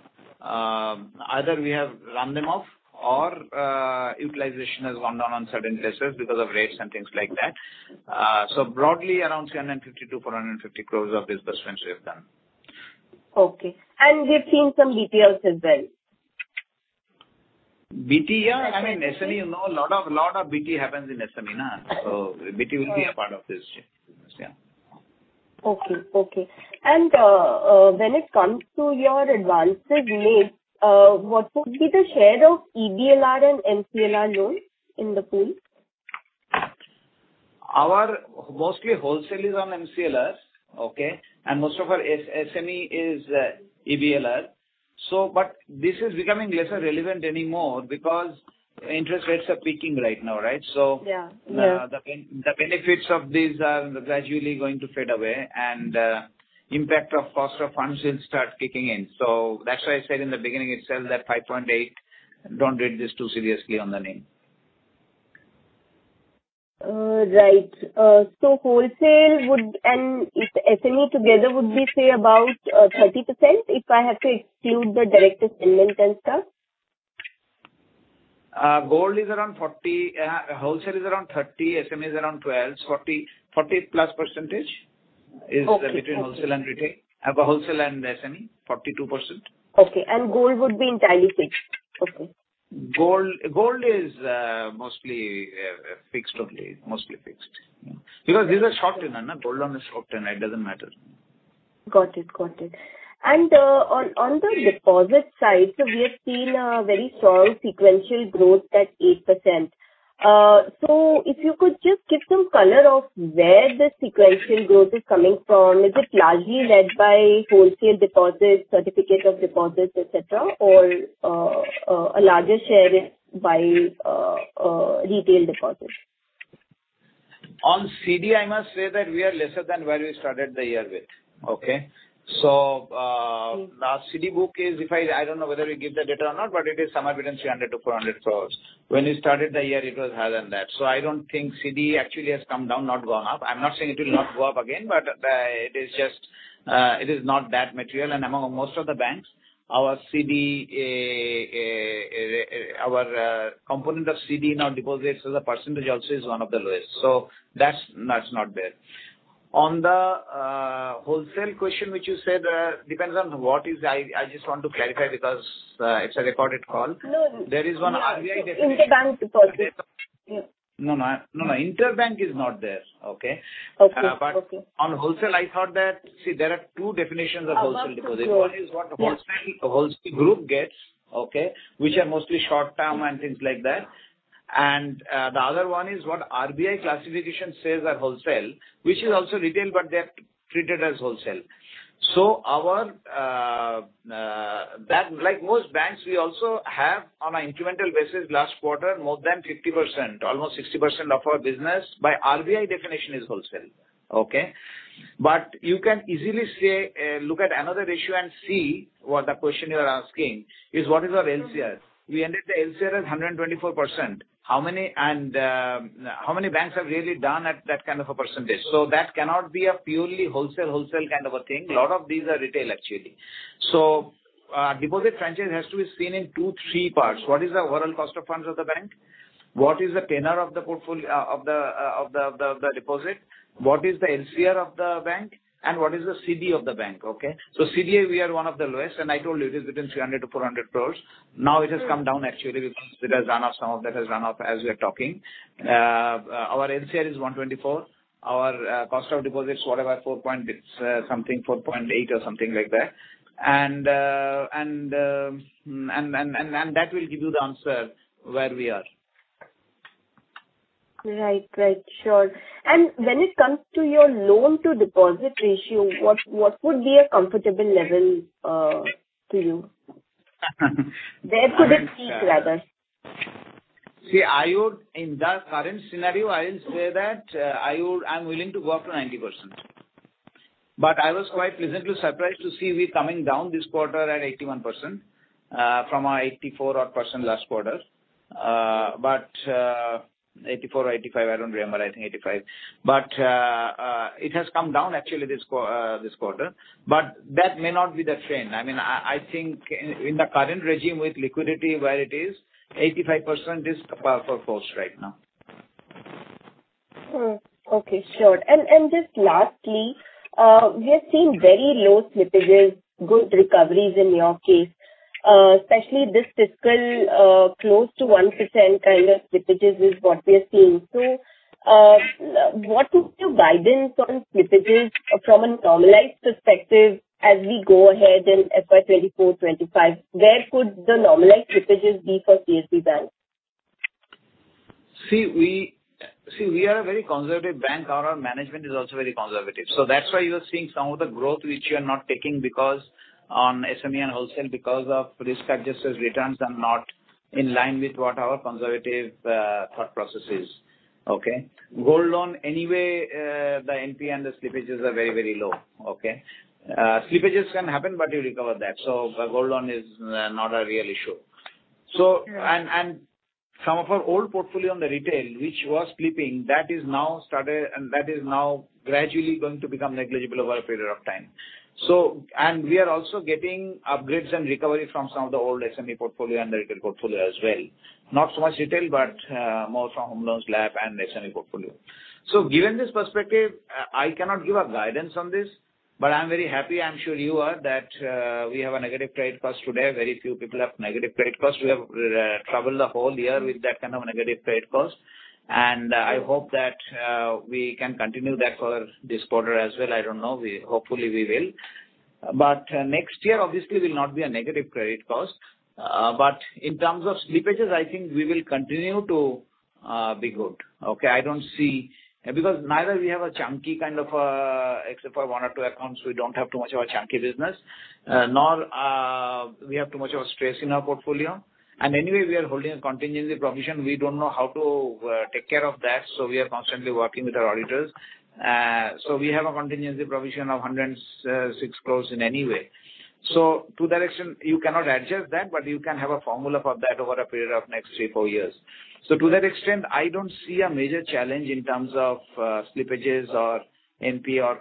Speaker 3: either we have run them off or utilization has gone down on certain places because of rates and things like that. Broadly around 350-450 crore of disbursement we have done.
Speaker 9: Okay. We've seen some BTs as well.
Speaker 3: BT yeah. I mean, SME, you know, a lot of BT happens in SME now.
Speaker 9: Okay.
Speaker 3: BT will be a part of this. Yeah.
Speaker 9: Okay. Okay. When it comes to your advances made, what would be the share of EBLR and MCLR loans in the pool?
Speaker 3: Our mostly wholesale is on MCLR, okay? Most of our SME is EBLR. This is becoming lesser relevant anymore because interest rates are peaking right now, right?
Speaker 9: Yeah. Yeah.
Speaker 3: The benefits of these are gradually going to fade away and impact of cost of funds will start kicking in. That's why I said in the beginning itself that 5.8%, don't read this too seriously on the NIM.
Speaker 9: Right. wholesale and if SME together would be, say, about, 30%, if I have to exclude the direct installment and stuff?
Speaker 3: Gold is around 40%, wholesale is around 30%, SME is around 12%. 40%+.
Speaker 9: Okay. Okay.
Speaker 3: is between wholesale and retail. Wholesale and SME, 42%.
Speaker 9: Okay. Gold would be entirely fixed. Okay.
Speaker 3: Gold is mostly fixed only. Mostly fixed. Because these are short-term. Gold loan is short-term. It doesn't matter.
Speaker 9: Got it. Got it. On the deposit side, we have seen a very solid sequential growth at 8%. If you could just give some color of where the sequential growth is coming from. Is it largely led by wholesale deposits, certificate of deposits, et cetera, or a larger share is by retail deposits?
Speaker 3: On CD, I must say that we are lesser than where we started the year with. Okay?
Speaker 9: Mm-hmm.
Speaker 3: The CD book is I don't know whether we give the data or not, but it is somewhere between 300 crore-400 crore. When we started the year, it was higher than that. I don't think CD actually has come down, not gone up. I'm not saying it will not go up again, but it is just, it is not that material. Among most of the banks, our CD, our component of CD in our deposits as a % also is one of the lowest. That's, that's not there. On the wholesale question which you said, depends on what is. I just want to clarify because it's a recorded call.
Speaker 9: No.
Speaker 3: There is one RBI definition.
Speaker 9: Interbank deposits. Yeah.
Speaker 3: No, no. No, no. Interbank is not there. Okay?
Speaker 9: Okay. Okay.
Speaker 3: On wholesale, See, there are two definitions of wholesale deposits.
Speaker 9: About the.
Speaker 3: One is what a wholesale group gets, okay, which are mostly short-term and things like that. The other one is what RBI classification says are wholesale, which is also retail, but they're treated as wholesale. Our bank, like most banks, we also have on an incremental basis last quarter more than 50%, almost 60% of our business by RBI definition is wholesale. Okay? You can easily say, look at another ratio and see what the question you are asking is what is our LCR. We entered the LCR as 124%. How many banks have really done at that kind of a percentage? That cannot be a purely wholesale kind of a thing. Lot of these are retail actually. Deposit franchise has to be seen in two, three parts. What is the overall cost of funds of the bank? What is the tenor of the deposit? What is the LCR of the bank, and what is the CD of the bank? Okay. CD we are one of the lowest, and I told you it is between 300 crore-400 crore. Now it has come down actually because it has run off, some of that has run off as we are talking. Our LCR is 124. Our cost of deposits, whatever, 4.8 or something like that. That will give you the answer where we are.
Speaker 9: Right. Right. Sure. When it comes to your loan-to-deposit ratio, what would be a comfortable level to you? Where could it peak, rather?
Speaker 3: See, I would, in the current scenario, I will say that, I'm willing to go up to 90%. I was quite pleasantly surprised to see we coming down this quarter at 81%, from our 84% odd last quarter. 84 or 85, I don't remember. I think 85. It has come down actually this quarter. That may not be the trend. I mean, I think in the current regime with liquidity where it is, 85% is a powerful force right now.
Speaker 9: Okay. Sure. Just lastly, we have seen very low slippages, good recoveries in your case. Especially this fiscal, close to 1% kind of slippages is what we are seeing. What is your guidance on slippages from a normalized perspective as we go ahead in FY 2024, 2025? Where could the normalized slippages be for CSB Bank?
Speaker 3: We are a very conservative bank. Our management is also very conservative. That's why you are seeing some of the growth which you are not taking because on SME and wholesale because of risk-adjusted returns are not in line with what our conservative thought process is. Okay? Gold loan anyway, the NPA and the slippages are very, very low. Okay? Slippages can happen, but you recover that. Gold loan is not a real issue.
Speaker 9: Right.
Speaker 3: Some of our old portfolio on the retail which was slipping, that is now started, and that is now gradually going to become negligible over a period of time. We are also getting upgrades and recovery from some of the old SME portfolio and the retail portfolio as well. Not so much retail, but more from home loans lab and SME portfolio. Given this perspective, I cannot give a guidance on this, but I'm very happy, I'm sure you are, that we have a negative credit cost today. Very few people have negative credit cost. We have traveled the whole year with that kind of a negative credit cost, I hope that we can continue that for this quarter as well. I don't know. Hopefully we will. Next year obviously will not be a negative credit cost. In terms of slippages, I think we will continue to be good. Okay? I don't see... Because neither we have a chunky kind of, except for one or two accounts, we don't have too much of a chunky business, nor we have too much of a stress in our portfolio. Anyway, we are holding a contingency provision. We don't know how to take care of that, so we are constantly working with our auditors. We have a contingency provision of 106 crore in any way. To that extent, you cannot adjust that, but you can have a formula for that over a period of next three, four years. To that extent, I don't see a major challenge in terms of slippages or NPA or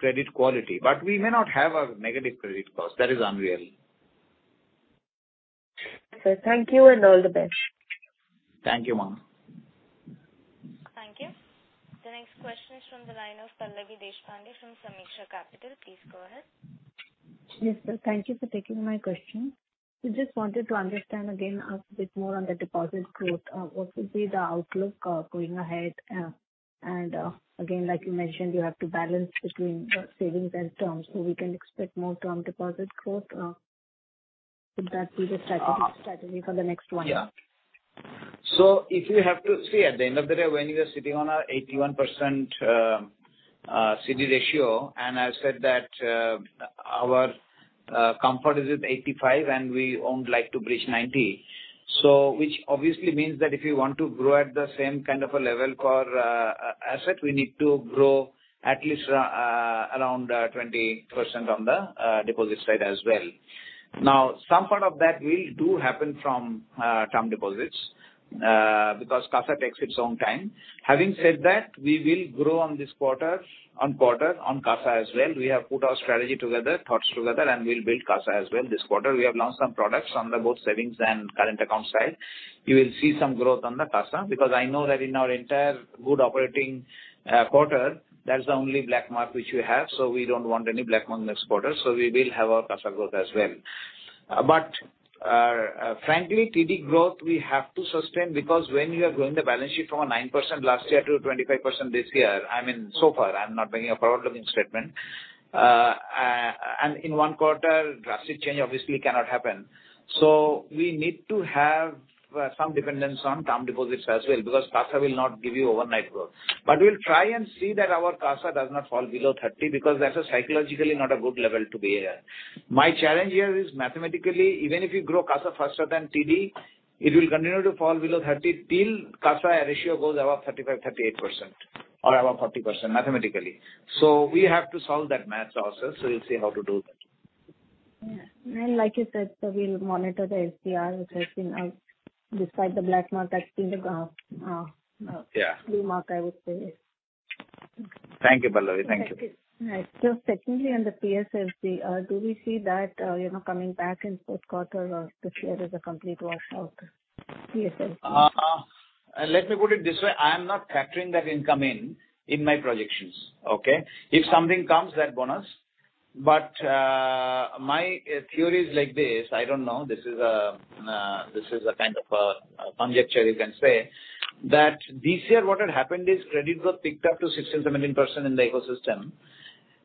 Speaker 3: credit quality. We may not have a negative credit cost. That is unreal.
Speaker 9: Sir, thank you and all the best.
Speaker 3: Thank you, ma'am.
Speaker 1: Thank you. The next question is from the line of Pallavi Deshpande from Sameeksha Capital. Please go ahead.
Speaker 10: Yes, sir. Thank you for taking my question. We just wanted to understand again a bit more on the deposit growth. What would be the outlook going ahead? Again, like you mentioned, you have to balance between savings and term, so we can expect more term deposit growth? Would that be the strategy for the next one?
Speaker 3: Yeah. See, at the end of the day, when you are sitting on a 81% CD ratio, and I said that our comfort is at 85% and we won't like to breach 90%, which obviously means that if you want to grow at the same kind of a level for asset, we need to grow at least around 20% on the deposit side as well. Some part of that will do happen from term deposits, because CASA takes its own time. Having said that, we will grow on this quarter-on-quarter on CASA as well. We have put our strategy together, thoughts together, and we'll build CASA as well this quarter. We have launched some products under both savings and current account side. You will see some growth on the CASA because I know that in our entire good operating quarter, that's the only black mark which we have. We don't want any black mark next quarter, we will have our CASA growth as well. Frankly, TD growth we have to sustain because when you are growing the balance sheet from a 9% last year to 25% this year. I mean, so far, I'm not bringing a forward-looking statement. And in one quarter, drastic change obviously cannot happen. We need to have some dependence on term deposits as well, because CASA will not give you overnight growth. We'll try and see that our CASA does not fall below 30% because that's psychologically not a good level to be at. My challenge here is mathematically, even if you grow CASA faster than TD, it will continue to fall below 30% till CASA ratio goes above 35%, 38% or above 40% mathematically. We have to solve that math also, so we'll see how to do that.
Speaker 10: Yeah. Like you said, we'll monitor the PCR, which has been out despite the black mark.
Speaker 3: Yeah.
Speaker 10: Blue mark, I would say.
Speaker 3: Thank you, Pallavi. Thank you.
Speaker 10: Thank you. Right. Secondly, on the PSLC, do we see that, you know, coming back in fourth quarter or this year is a complete washout, PSLC?
Speaker 3: Let me put it this way. I am not factoring that income in my projections, okay? If something comes, that bonus. My theory is like this, I don't know, this is a kind of a conjecture you can say. This year what had happened is credit growth picked up to 16%-17% in the ecosystem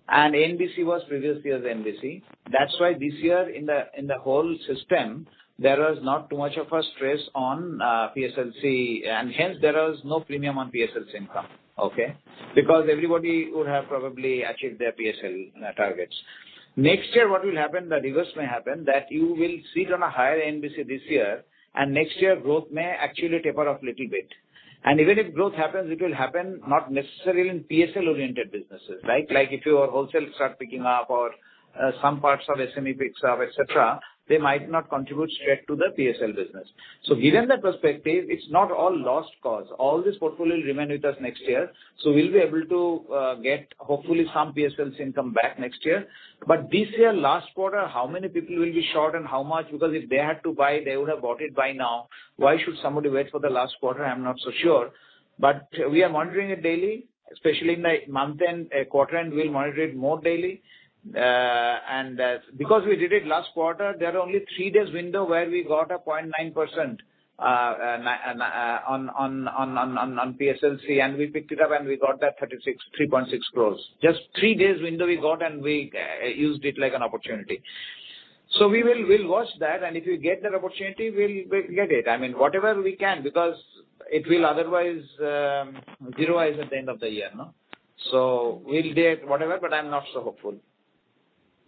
Speaker 3: and NBFC was previous year's NBFC. This year in the whole system, there was not too much of a stress on PSLC, and hence there was no premium on PSLC income. Okay? Everybody would have probably achieved their PSL targets. Next year what will happen, the reverse may happen that you will sit on a higher NBFC this year, and next year growth may actually taper off little bit. Even if growth happens, it will happen not necessarily in PSL-oriented businesses, right? Like if your wholesale start picking up or some parts of SME picks up, et cetera, they might not contribute straight to the PSL business. Given the perspective, it's not all lost cause. All this portfolio remain with us next year, so we'll be able to get hopefully some PSLC income back next year. This year, last quarter, how many people will be short and how much? Because if they had to buy, they would have bought it by now. Why should somebody wait for the last quarter? I'm not so sure. We are monitoring it daily, especially in the month-end, quarter-end, we'll monitor it more daily. Because we did it last quarter, there are only three days window where we got a 0.9% on PSLC, and we picked it up and we got that 3.6 crore. Just three days window we got, and we used it like an opportunity. We'll watch that and if we get that opportunity, we'll get it. I mean, whatever we can because it will otherwise zeroize at the end of the year, no? We'll get whatever, but I'm not so hopeful.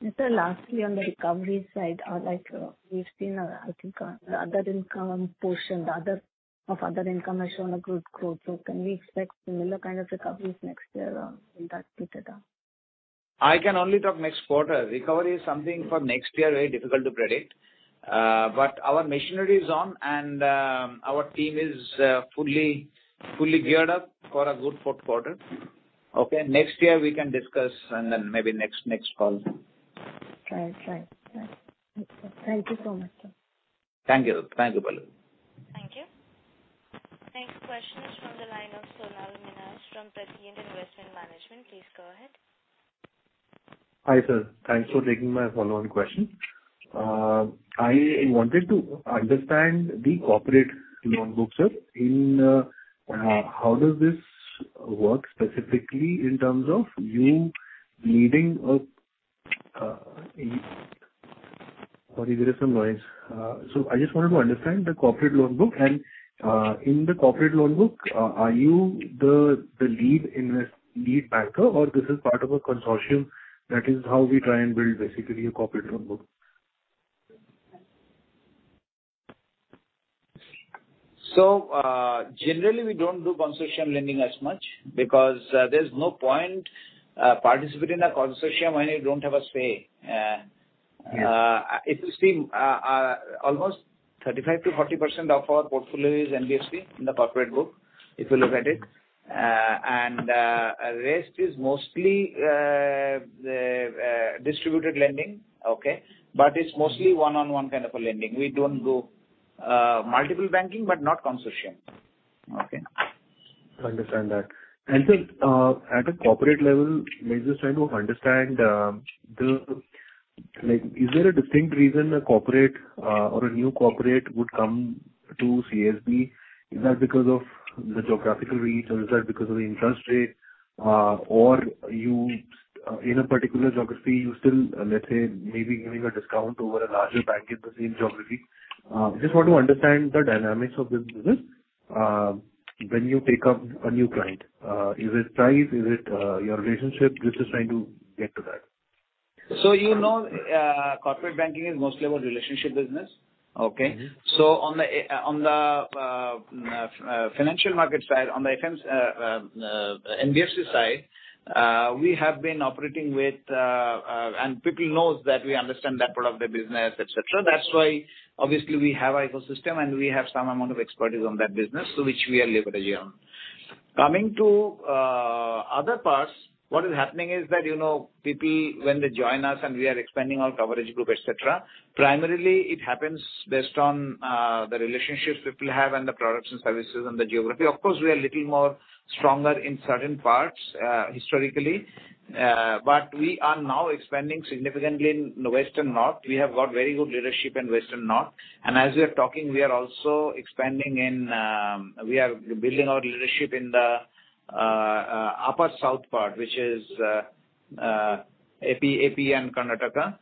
Speaker 10: Mr. lastly, on the recovery side or like, we've seen, I think, the other income portion, the other of other income has shown a good growth. Can we expect similar kind of recoveries next year or in that quarter?
Speaker 3: I can only talk next quarter. Recovery is something for next year, very difficult to predict. Our machinery is on and, our team is fully geared up for a good fourth quarter. Okay? Next year we can discuss and then maybe next call.
Speaker 10: Right. Right. Right. Thank you so much, sir.
Speaker 3: Thank you. Thank you, Pallavi.
Speaker 1: Thank you. Next question is from the line of Sonal Minhas from Prescient Investment Management. Please go ahead.
Speaker 6: Hi, sir. Thanks for taking my follow-on question. I wanted to understand the corporate loan book, sir. In how does this work specifically in terms of you needing a? Sorry, there is some noise. I just wanted to understand the corporate loan book and in the corporate loan book, are you the lead banker or this is part of a consortium that is how we try and build basically a corporate loan book?
Speaker 3: Generally we don't do consortium lending as much because, there's no point, participating in a consortium when you don't have a say.
Speaker 6: Yes.
Speaker 3: If you see, almost 35%-40% of our portfolio is NBFC in the corporate book, if you look at it. Rest is mostly distributed lending. Okay. It's mostly one-on-one kind of a lending. We don't do multiple banking, but not consortium. Okay.
Speaker 6: Understand that. Sir, at a corporate level, I'm just trying to understand, is there a distinct reason a corporate or a new corporate would come to CSB? Is that because of the geographical reach or is that because of the interest rate? Or in a particular geography, you still, let's say, may be giving a discount over a larger bank in the same geography. Just want to understand the dynamics of this business when you pick up a new client. Is it price? Is it your relationship? Just trying to get to that.
Speaker 3: you know, corporate banking is mostly about relationship business. Okay?
Speaker 6: Mm-hmm.
Speaker 3: On the financial market side, on the NBFC side, we have been operating with, and people knows that we understand that part of the business, et cetera. That's why obviously we have ecosystem and we have some amount of expertise on that business, so which we are leveraging on. Coming to other parts, what is happening is that, you know, people when they join us and we are expanding our coverage group, et cetera, primarily it happens based on the relationships people have and the products and services and the geography. Of course, we are little more stronger in certain parts historically. We are now expanding significantly in west and north. We have got very good leadership in west and north. As we are talking, we are also expanding in, we are building our leadership in the upper south part, which is AP and Karnataka.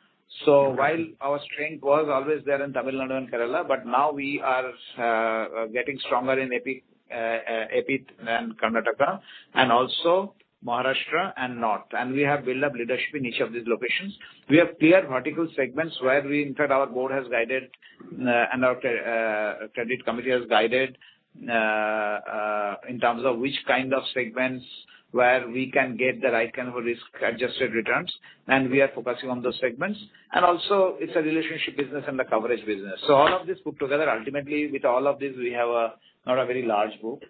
Speaker 3: While our strength was always there in Tamil Nadu and Kerala, but now we are getting stronger in AP and Karnataka and also Maharashtra and north. We have built up leadership in each of these locations. We have clear vertical segments where we. In fact, our board has guided and our credit committee has guided. In terms of which kind of segments where we can get the right kind of a risk-adjusted returns, and we are focusing on those segments. Also, it's a relationship business and a coverage business. All of this put together, ultimately, with all of this, we have a, not a very large book.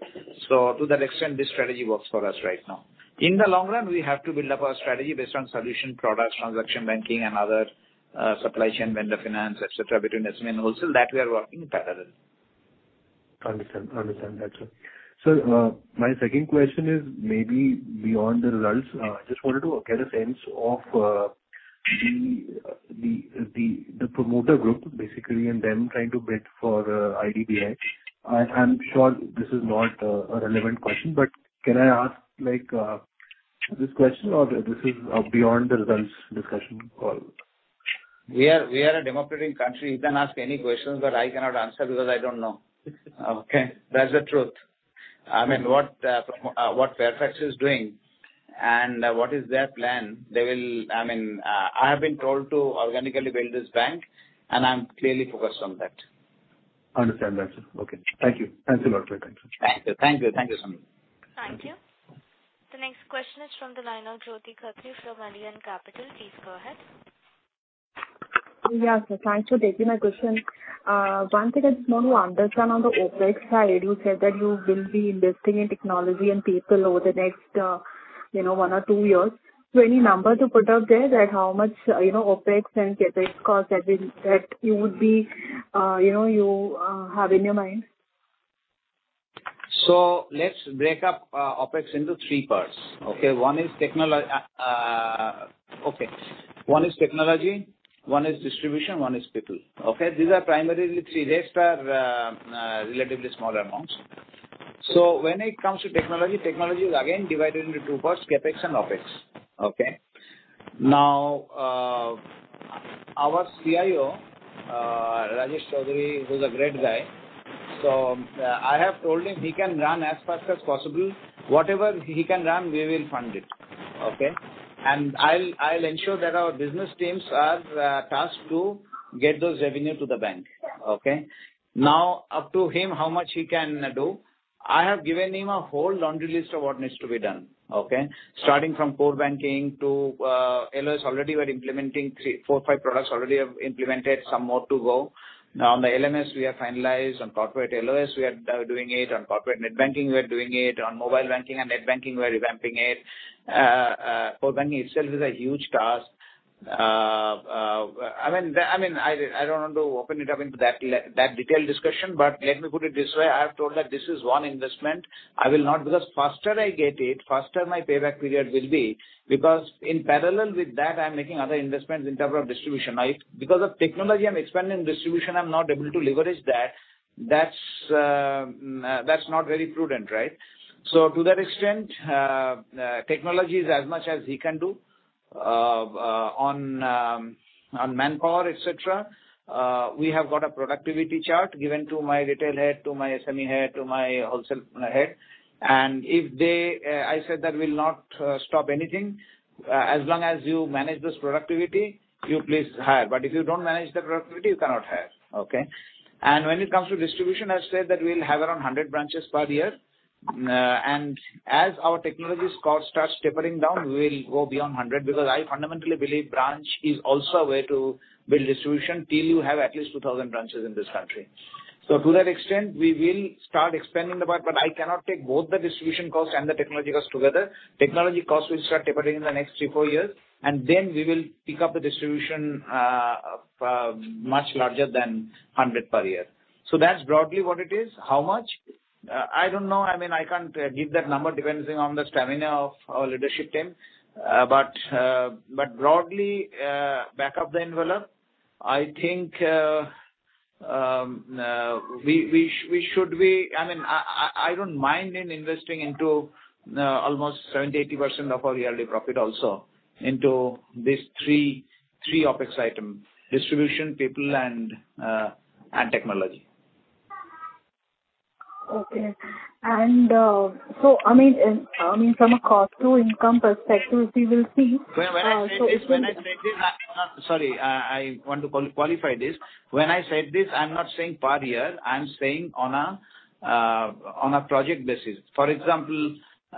Speaker 3: To that extent, this strategy works for us right now. In the long run, we have to build up our strategy based on solution products, transaction banking and other, supply chain vendor finance, et cetera, between SME and wholesale, that we are working in parallel.
Speaker 6: Understand. Understand that, sir. Sir, my second question is maybe beyond the results. Just wanted to get a sense of the promoter group basically, and them trying to bid for IDBI. I'm sure this is not a relevant question, but can I ask, like, this question or this is beyond the results discussion call?
Speaker 3: We are a democratic country. You can ask any questions, but I cannot answer because I don't know. Okay? That's the truth. I mean, what Fairfax is doing and what is their plan, they will... I mean, I have been told to organically build this bank, and I'm clearly focused on that.
Speaker 6: Understand that, sir. Okay. Thank you. Thanks a lot for your time, sir.
Speaker 3: Thank you. Thank you, Sonal.
Speaker 1: Thank you. The next question is from the line of Jyoti Khatri from Arihant Capital. Please go ahead.
Speaker 11: Yes. Thanks for taking my question. One thing I just want to understand on the OpEx side, you said that you will be investing in technology and people over the next, you know, one or two years. Any number to put out there that how much, you know, OpEx and CapEx costs that you would be, you know, have in your mind?
Speaker 3: Let's break up OpEx into three parts. Okay. One is technology, one is distribution, one is people. Okay. These are primarily three. Rest are relatively small amounts. When it comes to technology is again divided into two parts, CapEx and OpEx. Okay. Now, our CIO Rajesh Choudhary, who's a great guy, so I have told him he can run as fast as possible. Whatever he can run, we will fund it. Okay. I'll ensure that our business teams are tasked to get those revenue to the bank. Okay. Now, up to him, how much he can do. I have given him a whole laundry list of what needs to be done. Okay. Starting from core banking to LOS already we're implementing three, four, five products already have implemented, some more to go. On the LMS, we have finalized. On corporate LOS, we are doing it. On corporate net banking, we are doing it. On mobile banking and net banking, we are revamping it. core banking itself is a huge task. I mean, I don't want to open it up into that detailed discussion, but let me put it this way. I have told that this is one investment. I will not because faster I get it, faster my payback period will be because in parallel with that, I'm making other investments in terms of distribution. Because of technology, I'm expanding distribution, I'm not able to leverage that. That's not very prudent, right? To that extent, technology is as much as he can do. On manpower, et cetera, we have got a productivity chart given to my retail head, to my SME head, to my wholesale head. If they, I said that we'll not stop anything. As long as you manage this productivity, you please hire. If you don't manage the productivity, you cannot hire. Okay? When it comes to distribution, I said that we'll have around 100 branches per year. As our technology cost starts tapering down, we will go beyond 100 because I fundamentally believe branch is also a way to build distribution till you have at least 2,000 branches in this country. To that extent, we will start expanding the part. I cannot take both the distribution costs and the technology costs together. Technology costs will start tapering in the next three, four years, we will pick up the distribution much larger than 100 per year. That's broadly what it is. How much? I don't know. I mean, I can't give that number. Depends on the stamina of our leadership team. Broadly, back of the envelope, I think, we should be... I mean, I don't mind in investing into almost 70%, 80% of our yearly profit also into these three OpEx item: distribution, people, and technology.
Speaker 11: Okay. I mean, I mean from a cost-to-income perspective, we will see.
Speaker 3: When I said this, I'm not... Sorry, I want to qualify this. When I said this, I'm not saying per year. I'm saying on a project basis. For example,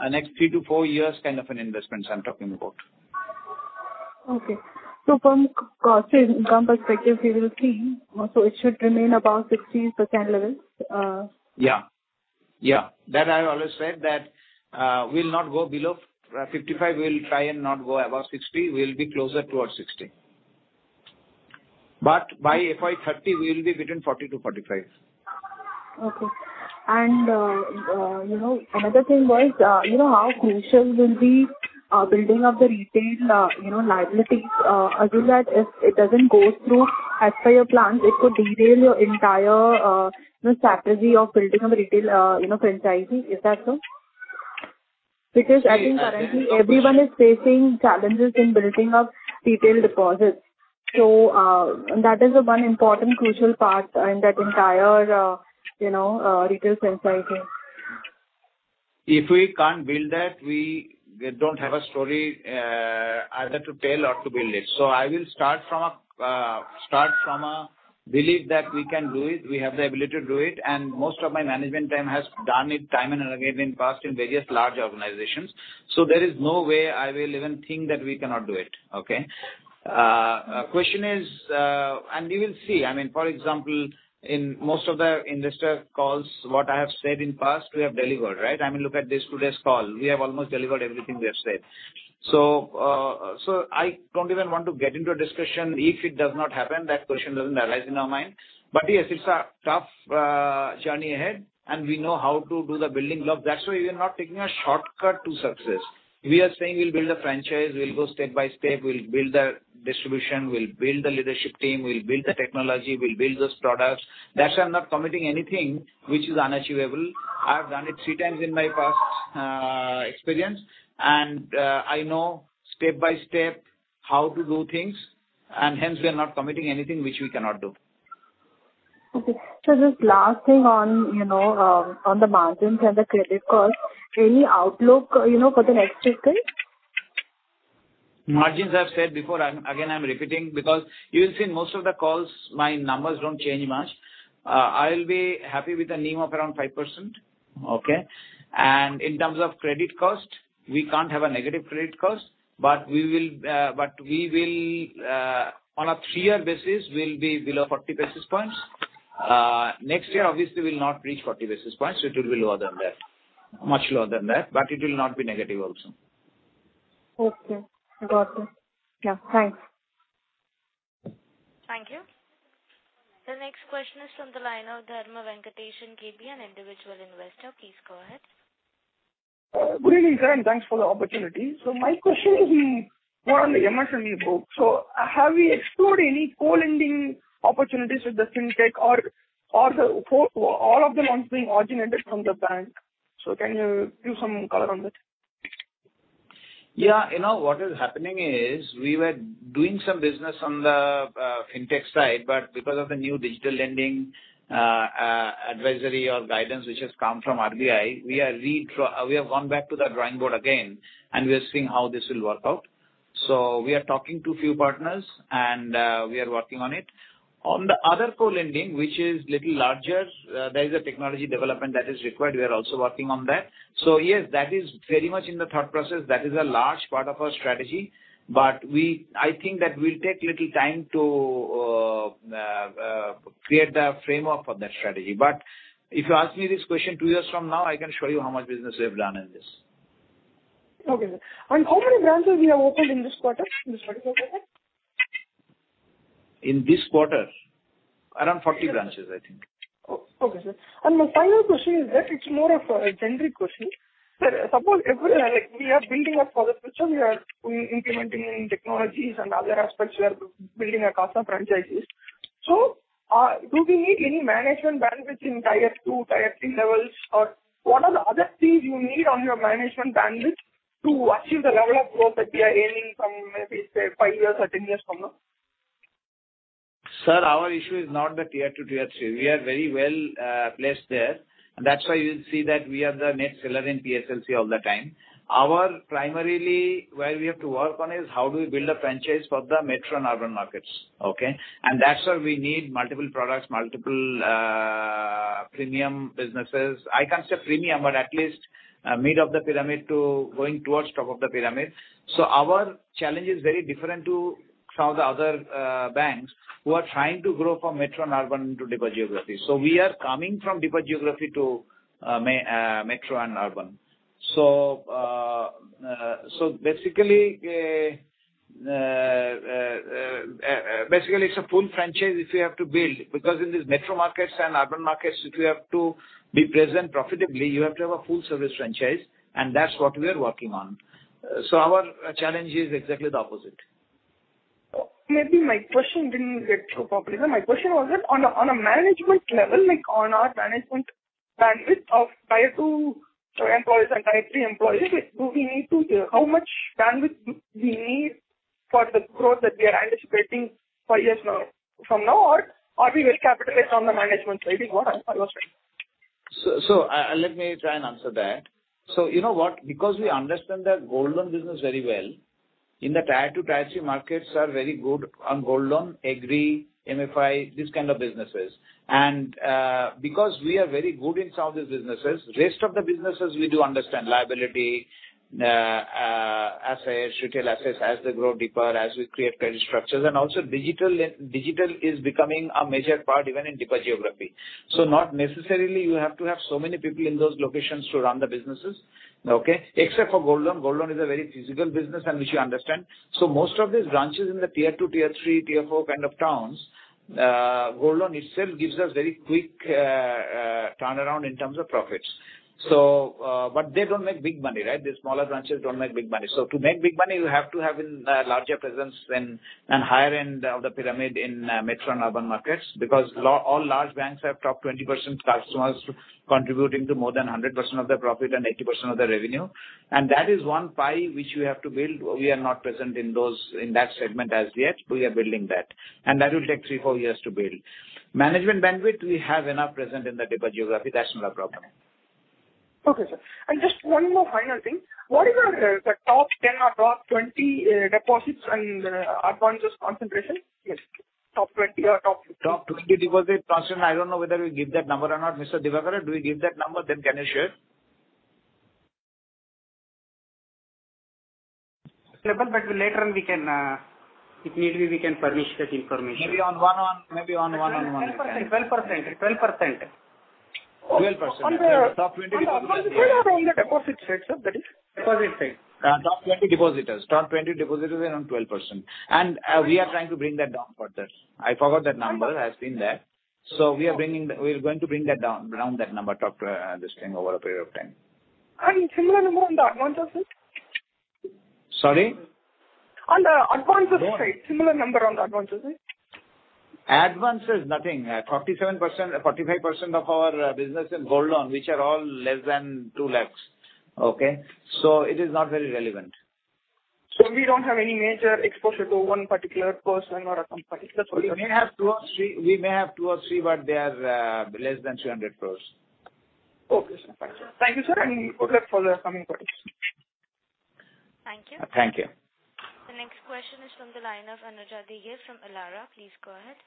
Speaker 3: next three to four years kind of an investments I'm talking about.
Speaker 11: Okay. From cost income perspective, we will see. It should remain above 60% levels.
Speaker 3: Yeah. Yeah. That I always said that, we'll not go below, 55%. We'll try and not go above 60%. We'll be closer towards 60%. By FY 2030, we will be between 40%-45%.
Speaker 11: Okay. you know, another thing was, you know, how crucial will be, building up the retail, you know, liabilities, assuming that if it doesn't go through as per your plans, it could derail your entire, you know, strategy of building up a retail, you know, franchise. Is that so? Because I think currently everyone is facing challenges in building up retail deposits. That is one important crucial part in that entire, you know, retail franchising.
Speaker 3: If we can't build that, we don't have a story either to tell or to build it. I will start from Believe that we can do it, we have the ability to do it, and most of my management team has done it time and again in past in various large organizations. There is no way I will even think that we cannot do it. Okay? Question is, you will see, I mean, for example, in most of the investor calls, what I have said in past, we have delivered, right? I mean, look at this today's call. We have almost delivered everything we have said. I don't even want to get into a discussion. If it does not happen, that question doesn't arise in our mind. Yes, it's a tough journey ahead. We know how to do the building block. That's why we are not taking a shortcut to success. We are saying we'll build a franchise, we'll go step by step, we'll build the distribution, we'll build the leadership team, we'll build the technology, we'll build those products. That's why I'm not committing anything which is unachievable. I have done it three times in my past experience. I know step by step how to do things. Hence we are not committing anything which we cannot do.
Speaker 11: Okay. Just last thing on, you know, on the margins and the credit cost. Any outlook, you know, for the next fiscal?
Speaker 3: Margins, I've said before, I'm repeating because you'll see most of the calls, my numbers don't change much. I'll be happy with the NIM of around 5%. Okay? In terms of credit cost, we can't have a negative credit cost, but we will on a three-year basis will be below 40 basis points. Next year obviously we'll not reach 40 basis points, it will be lower than that, much lower than that, but it will not be negative also.
Speaker 11: Okay. Got it. Yeah. Thanks.
Speaker 1: Thank you. The next question is from the line of Dharmavenkatesan KB, an Individual Investor. Please go ahead.
Speaker 12: Good evening, sir, and thanks for the opportunity. My question is in more on the EMI from you book. Have we explored any co-lending opportunities with the fintech or all of them once being originated from the bank? Can you give some color on it?
Speaker 3: Yeah. You know, what is happening is we were doing some business on the fintech side, because of the new digital lending advisory or guidance which has come from RBI, we have gone back to the drawing board again, we are seeing how this will work out. We are talking to few partners and we are working on it. On the other co-lending, which is little larger, there is a technology development that is required. We are also working on that. Yes, that is very much in the thought process. That is a large part of our strategy. I think that will take little time to create the framework for that strategy. If you ask me this question two years from now, I can show you how much business we have done in this.
Speaker 12: Okay, sir. How many branches you have opened in this quarter, sir?
Speaker 3: In this quarter? Around 40 branches, I think.
Speaker 12: Okay, sir. My final question is that it's more of a generic question. Sir, suppose every, like, we are building up for the future, we are implementing technologies and other aspects, we are building across our franchises. Do we need any management bandwidth in Tier 2, Tier 3 levels? What are the other things you need on your management bandwidth to achieve the level of growth that we are aiming from maybe, say, five years or 10 years from now?
Speaker 3: Sir, our issue is not the Tier 2, Tier 3. We are very well placed there. That's why you'll see that we are the net seller in PSLC all the time. Our primarily where we have to work on is how do we build a franchise for the metro and urban markets. Okay? That's where we need multiple products, multiple premium businesses. I can't say premium, but at least, mid of the pyramid to going towards top of the pyramid. Our challenge is very different to some of the other banks who are trying to grow from metro and urban to deeper geography. We are coming from deeper geography to metro and urban. Basically it's a full franchise if you have to build, because in these metro markets and urban markets, if you have to be present profitably, you have to have a full service franchise, and that's what we are working on. Our challenge is exactly the opposite.
Speaker 12: Maybe my question didn't get through properly, sir. My question was that on a management level, like, on our management bandwidth of Tier 2 employees and Tier 3 employees, How much bandwidth do we need for the growth that we are anticipating five years from now, or we will capitalize on the management side? If you got what I was saying?
Speaker 3: Let me try and answer that. You know what? Because we understand that gold loan business very well, in the Tier 2, Tier 3 markets are very good on gold loan, Agri, MFI, these kind of businesses. Because we are very good in some of these businesses, rest of the businesses we do understand. Liability, assets, retail assets, as they grow deeper, as we create credit structures, and also digital is becoming a major part even in deeper geography. Not necessarily you have to have so many people in those locations to run the businesses. Okay? Except for gold loan. Gold loan is a very physical business and which you understand. Most of these branches in the Tier 2, Tier 3, Tier 4 kind of towns, gold loan itself gives us very quick turnaround in terms of profits. But they don't make big money, right? These smaller branches don't make big money. To make big money, you have to have even larger presence than in higher end of the pyramid in metro and urban markets, because all large banks have top 20% customers contributing to more than 100% of their profit and 80% of their revenue. That is one pie which we have to build. We are not present in those, in that segment as yet. We are building that. That will take three, four years to build. Management bandwidth, we have enough present in the deeper geography. That's not a problem.
Speaker 12: Okay, sir. Just one more final thing. What is your, the top 10 or top 20 deposits and advances concentration? Yes. Top 20 or top 50.
Speaker 3: Top 20 deposit concentration. I don't know whether we give that number or not. Mr. Divakara, do we give that number? Can you share?
Speaker 4: Sure, later on we can if need be, we can furnish that information.
Speaker 3: Maybe on one-on-one.
Speaker 4: 12%. 12%. 12%.
Speaker 3: 12%.
Speaker 12: On the-
Speaker 3: Top 20%.
Speaker 12: On the advances side or on the deposit side, sir, that is?
Speaker 4: Deposit side.
Speaker 3: Top 20 depositors. Top 20 depositors are on 12%. We are trying to bring that down further. I forgot that number. I've seen that. We are going to bring that down, round that number top, this thing over a period of time.
Speaker 12: Similar number on the advances side?
Speaker 3: Sorry?
Speaker 12: On the advances side.
Speaker 3: No.
Speaker 12: Similar number on the advances side.
Speaker 3: Advances nothing. 47%, 45% of our business is gold loan, which are all less than 2 lakhs. Okay? It is not very relevant.
Speaker 12: We don't have any major exposure to one particular person or a company.
Speaker 3: We may have two or three, but they are less than 200 crore.
Speaker 12: Okay, sir. Thank you, sir. Thank you, sir, and good luck for the coming quarters.
Speaker 1: Thank you.
Speaker 3: Thank you.
Speaker 1: The next question is from the line of Anuja Dighe from Elara. Please go ahead.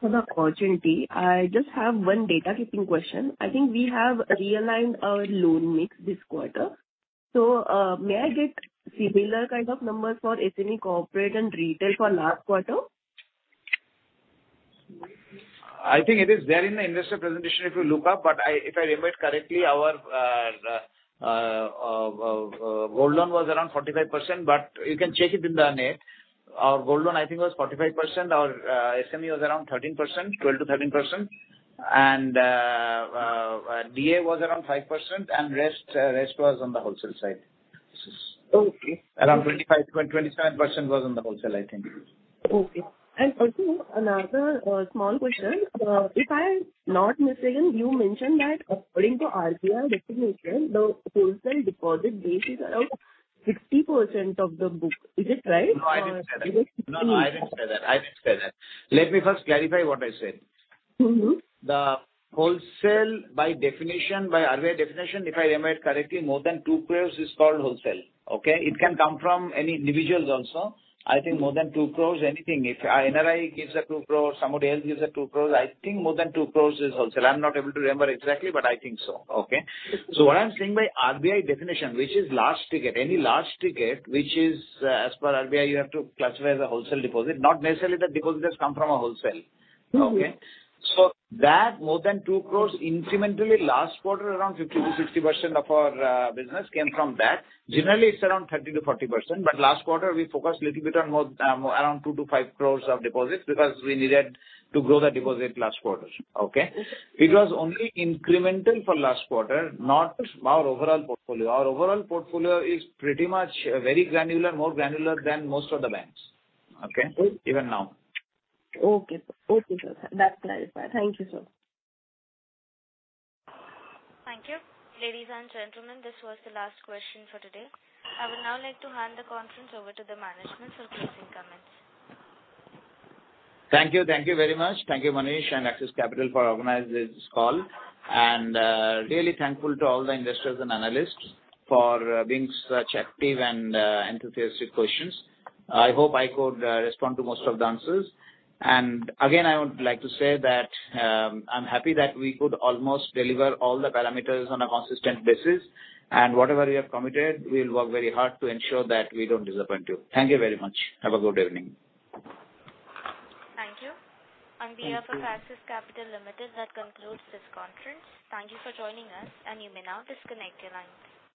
Speaker 13: For the quarter end, I just have one data keeping question. I think we have realigned our loan mix this quarter. May I get similar kind of numbers for SME corporate and retail for last quarter?
Speaker 3: I think it is there in the investor presentation if you look up, I, if I remember correctly, our gold loan was around 45%. You can check it in the net. Our gold loan, I think, was 45%. Our SME was around 13%, 12%-13%. DA was around 5% and rest was on the wholesale side.
Speaker 13: Okay.
Speaker 3: Around 25%-27% was on the wholesale, I think.
Speaker 13: Okay. Also another, small question. If I'm not mistaken, you mentioned that according to RBI recognition, the wholesale deposit base is around 60% of the book. Is it right?
Speaker 3: No, I didn't say that.
Speaker 13: Is it 50%?
Speaker 3: No, I didn't say that. I didn't say that. Let me first clarify what I said.
Speaker 13: Mm-hmm.
Speaker 3: The wholesale by definition, by RBI definition, if I remember correctly, more than 2 crore is called wholesale. Okay? It can come from any individuals also. I think more than 2 crore anything. If a NRI gives a 2 crore, somebody else gives a 2 crore, I think more than 2 crore is wholesale. I'm not able to remember exactly, but I think so. Okay?
Speaker 13: Yes, sir.
Speaker 3: What I'm saying by RBI definition, which is large ticket, any large ticket, which is as per RBI, you have to classify as a wholesale deposit, not necessarily the deposit has come from a wholesale.
Speaker 13: Mm-hmm.
Speaker 3: Okay? That more than 2 crore incrementally last quarter around 50%-60% of our business came from that. Generally, it's around 30%-40%, last quarter we focused little bit on more, around 2 crore-5 crore of deposits because we needed to grow the deposit last quarter. Okay?
Speaker 13: Yes, sir.
Speaker 3: It was only incremental for last quarter, not our overall portfolio. Our overall portfolio is pretty much very granular, more granular than most of the banks. Okay?
Speaker 13: Okay.
Speaker 3: Even now.
Speaker 13: Okay, sir. Okay, sir. That's clarified. Thank you, sir.
Speaker 1: Thank you. Ladies and gentlemen, this was the last question for today. I would now like to hand the conference over to the management for closing comments.
Speaker 3: Thank you. Thank you very much. Thank you, Manish and Axis Capital for organizing this call. Really thankful to all the investors and analysts for being so active and enthusiastic questions. I hope I could respond to most of the answers. Again, I would like to say that I'm happy that we could almost deliver all the parameters on a consistent basis. Whatever we have committed, we will work very hard to ensure that we don't disappoint you. Thank you very much. Have a good evening.
Speaker 1: Thank you. On behalf of Axis Capital Limited, that concludes this conference. Thank you for joining us, and you may now disconnect your lines.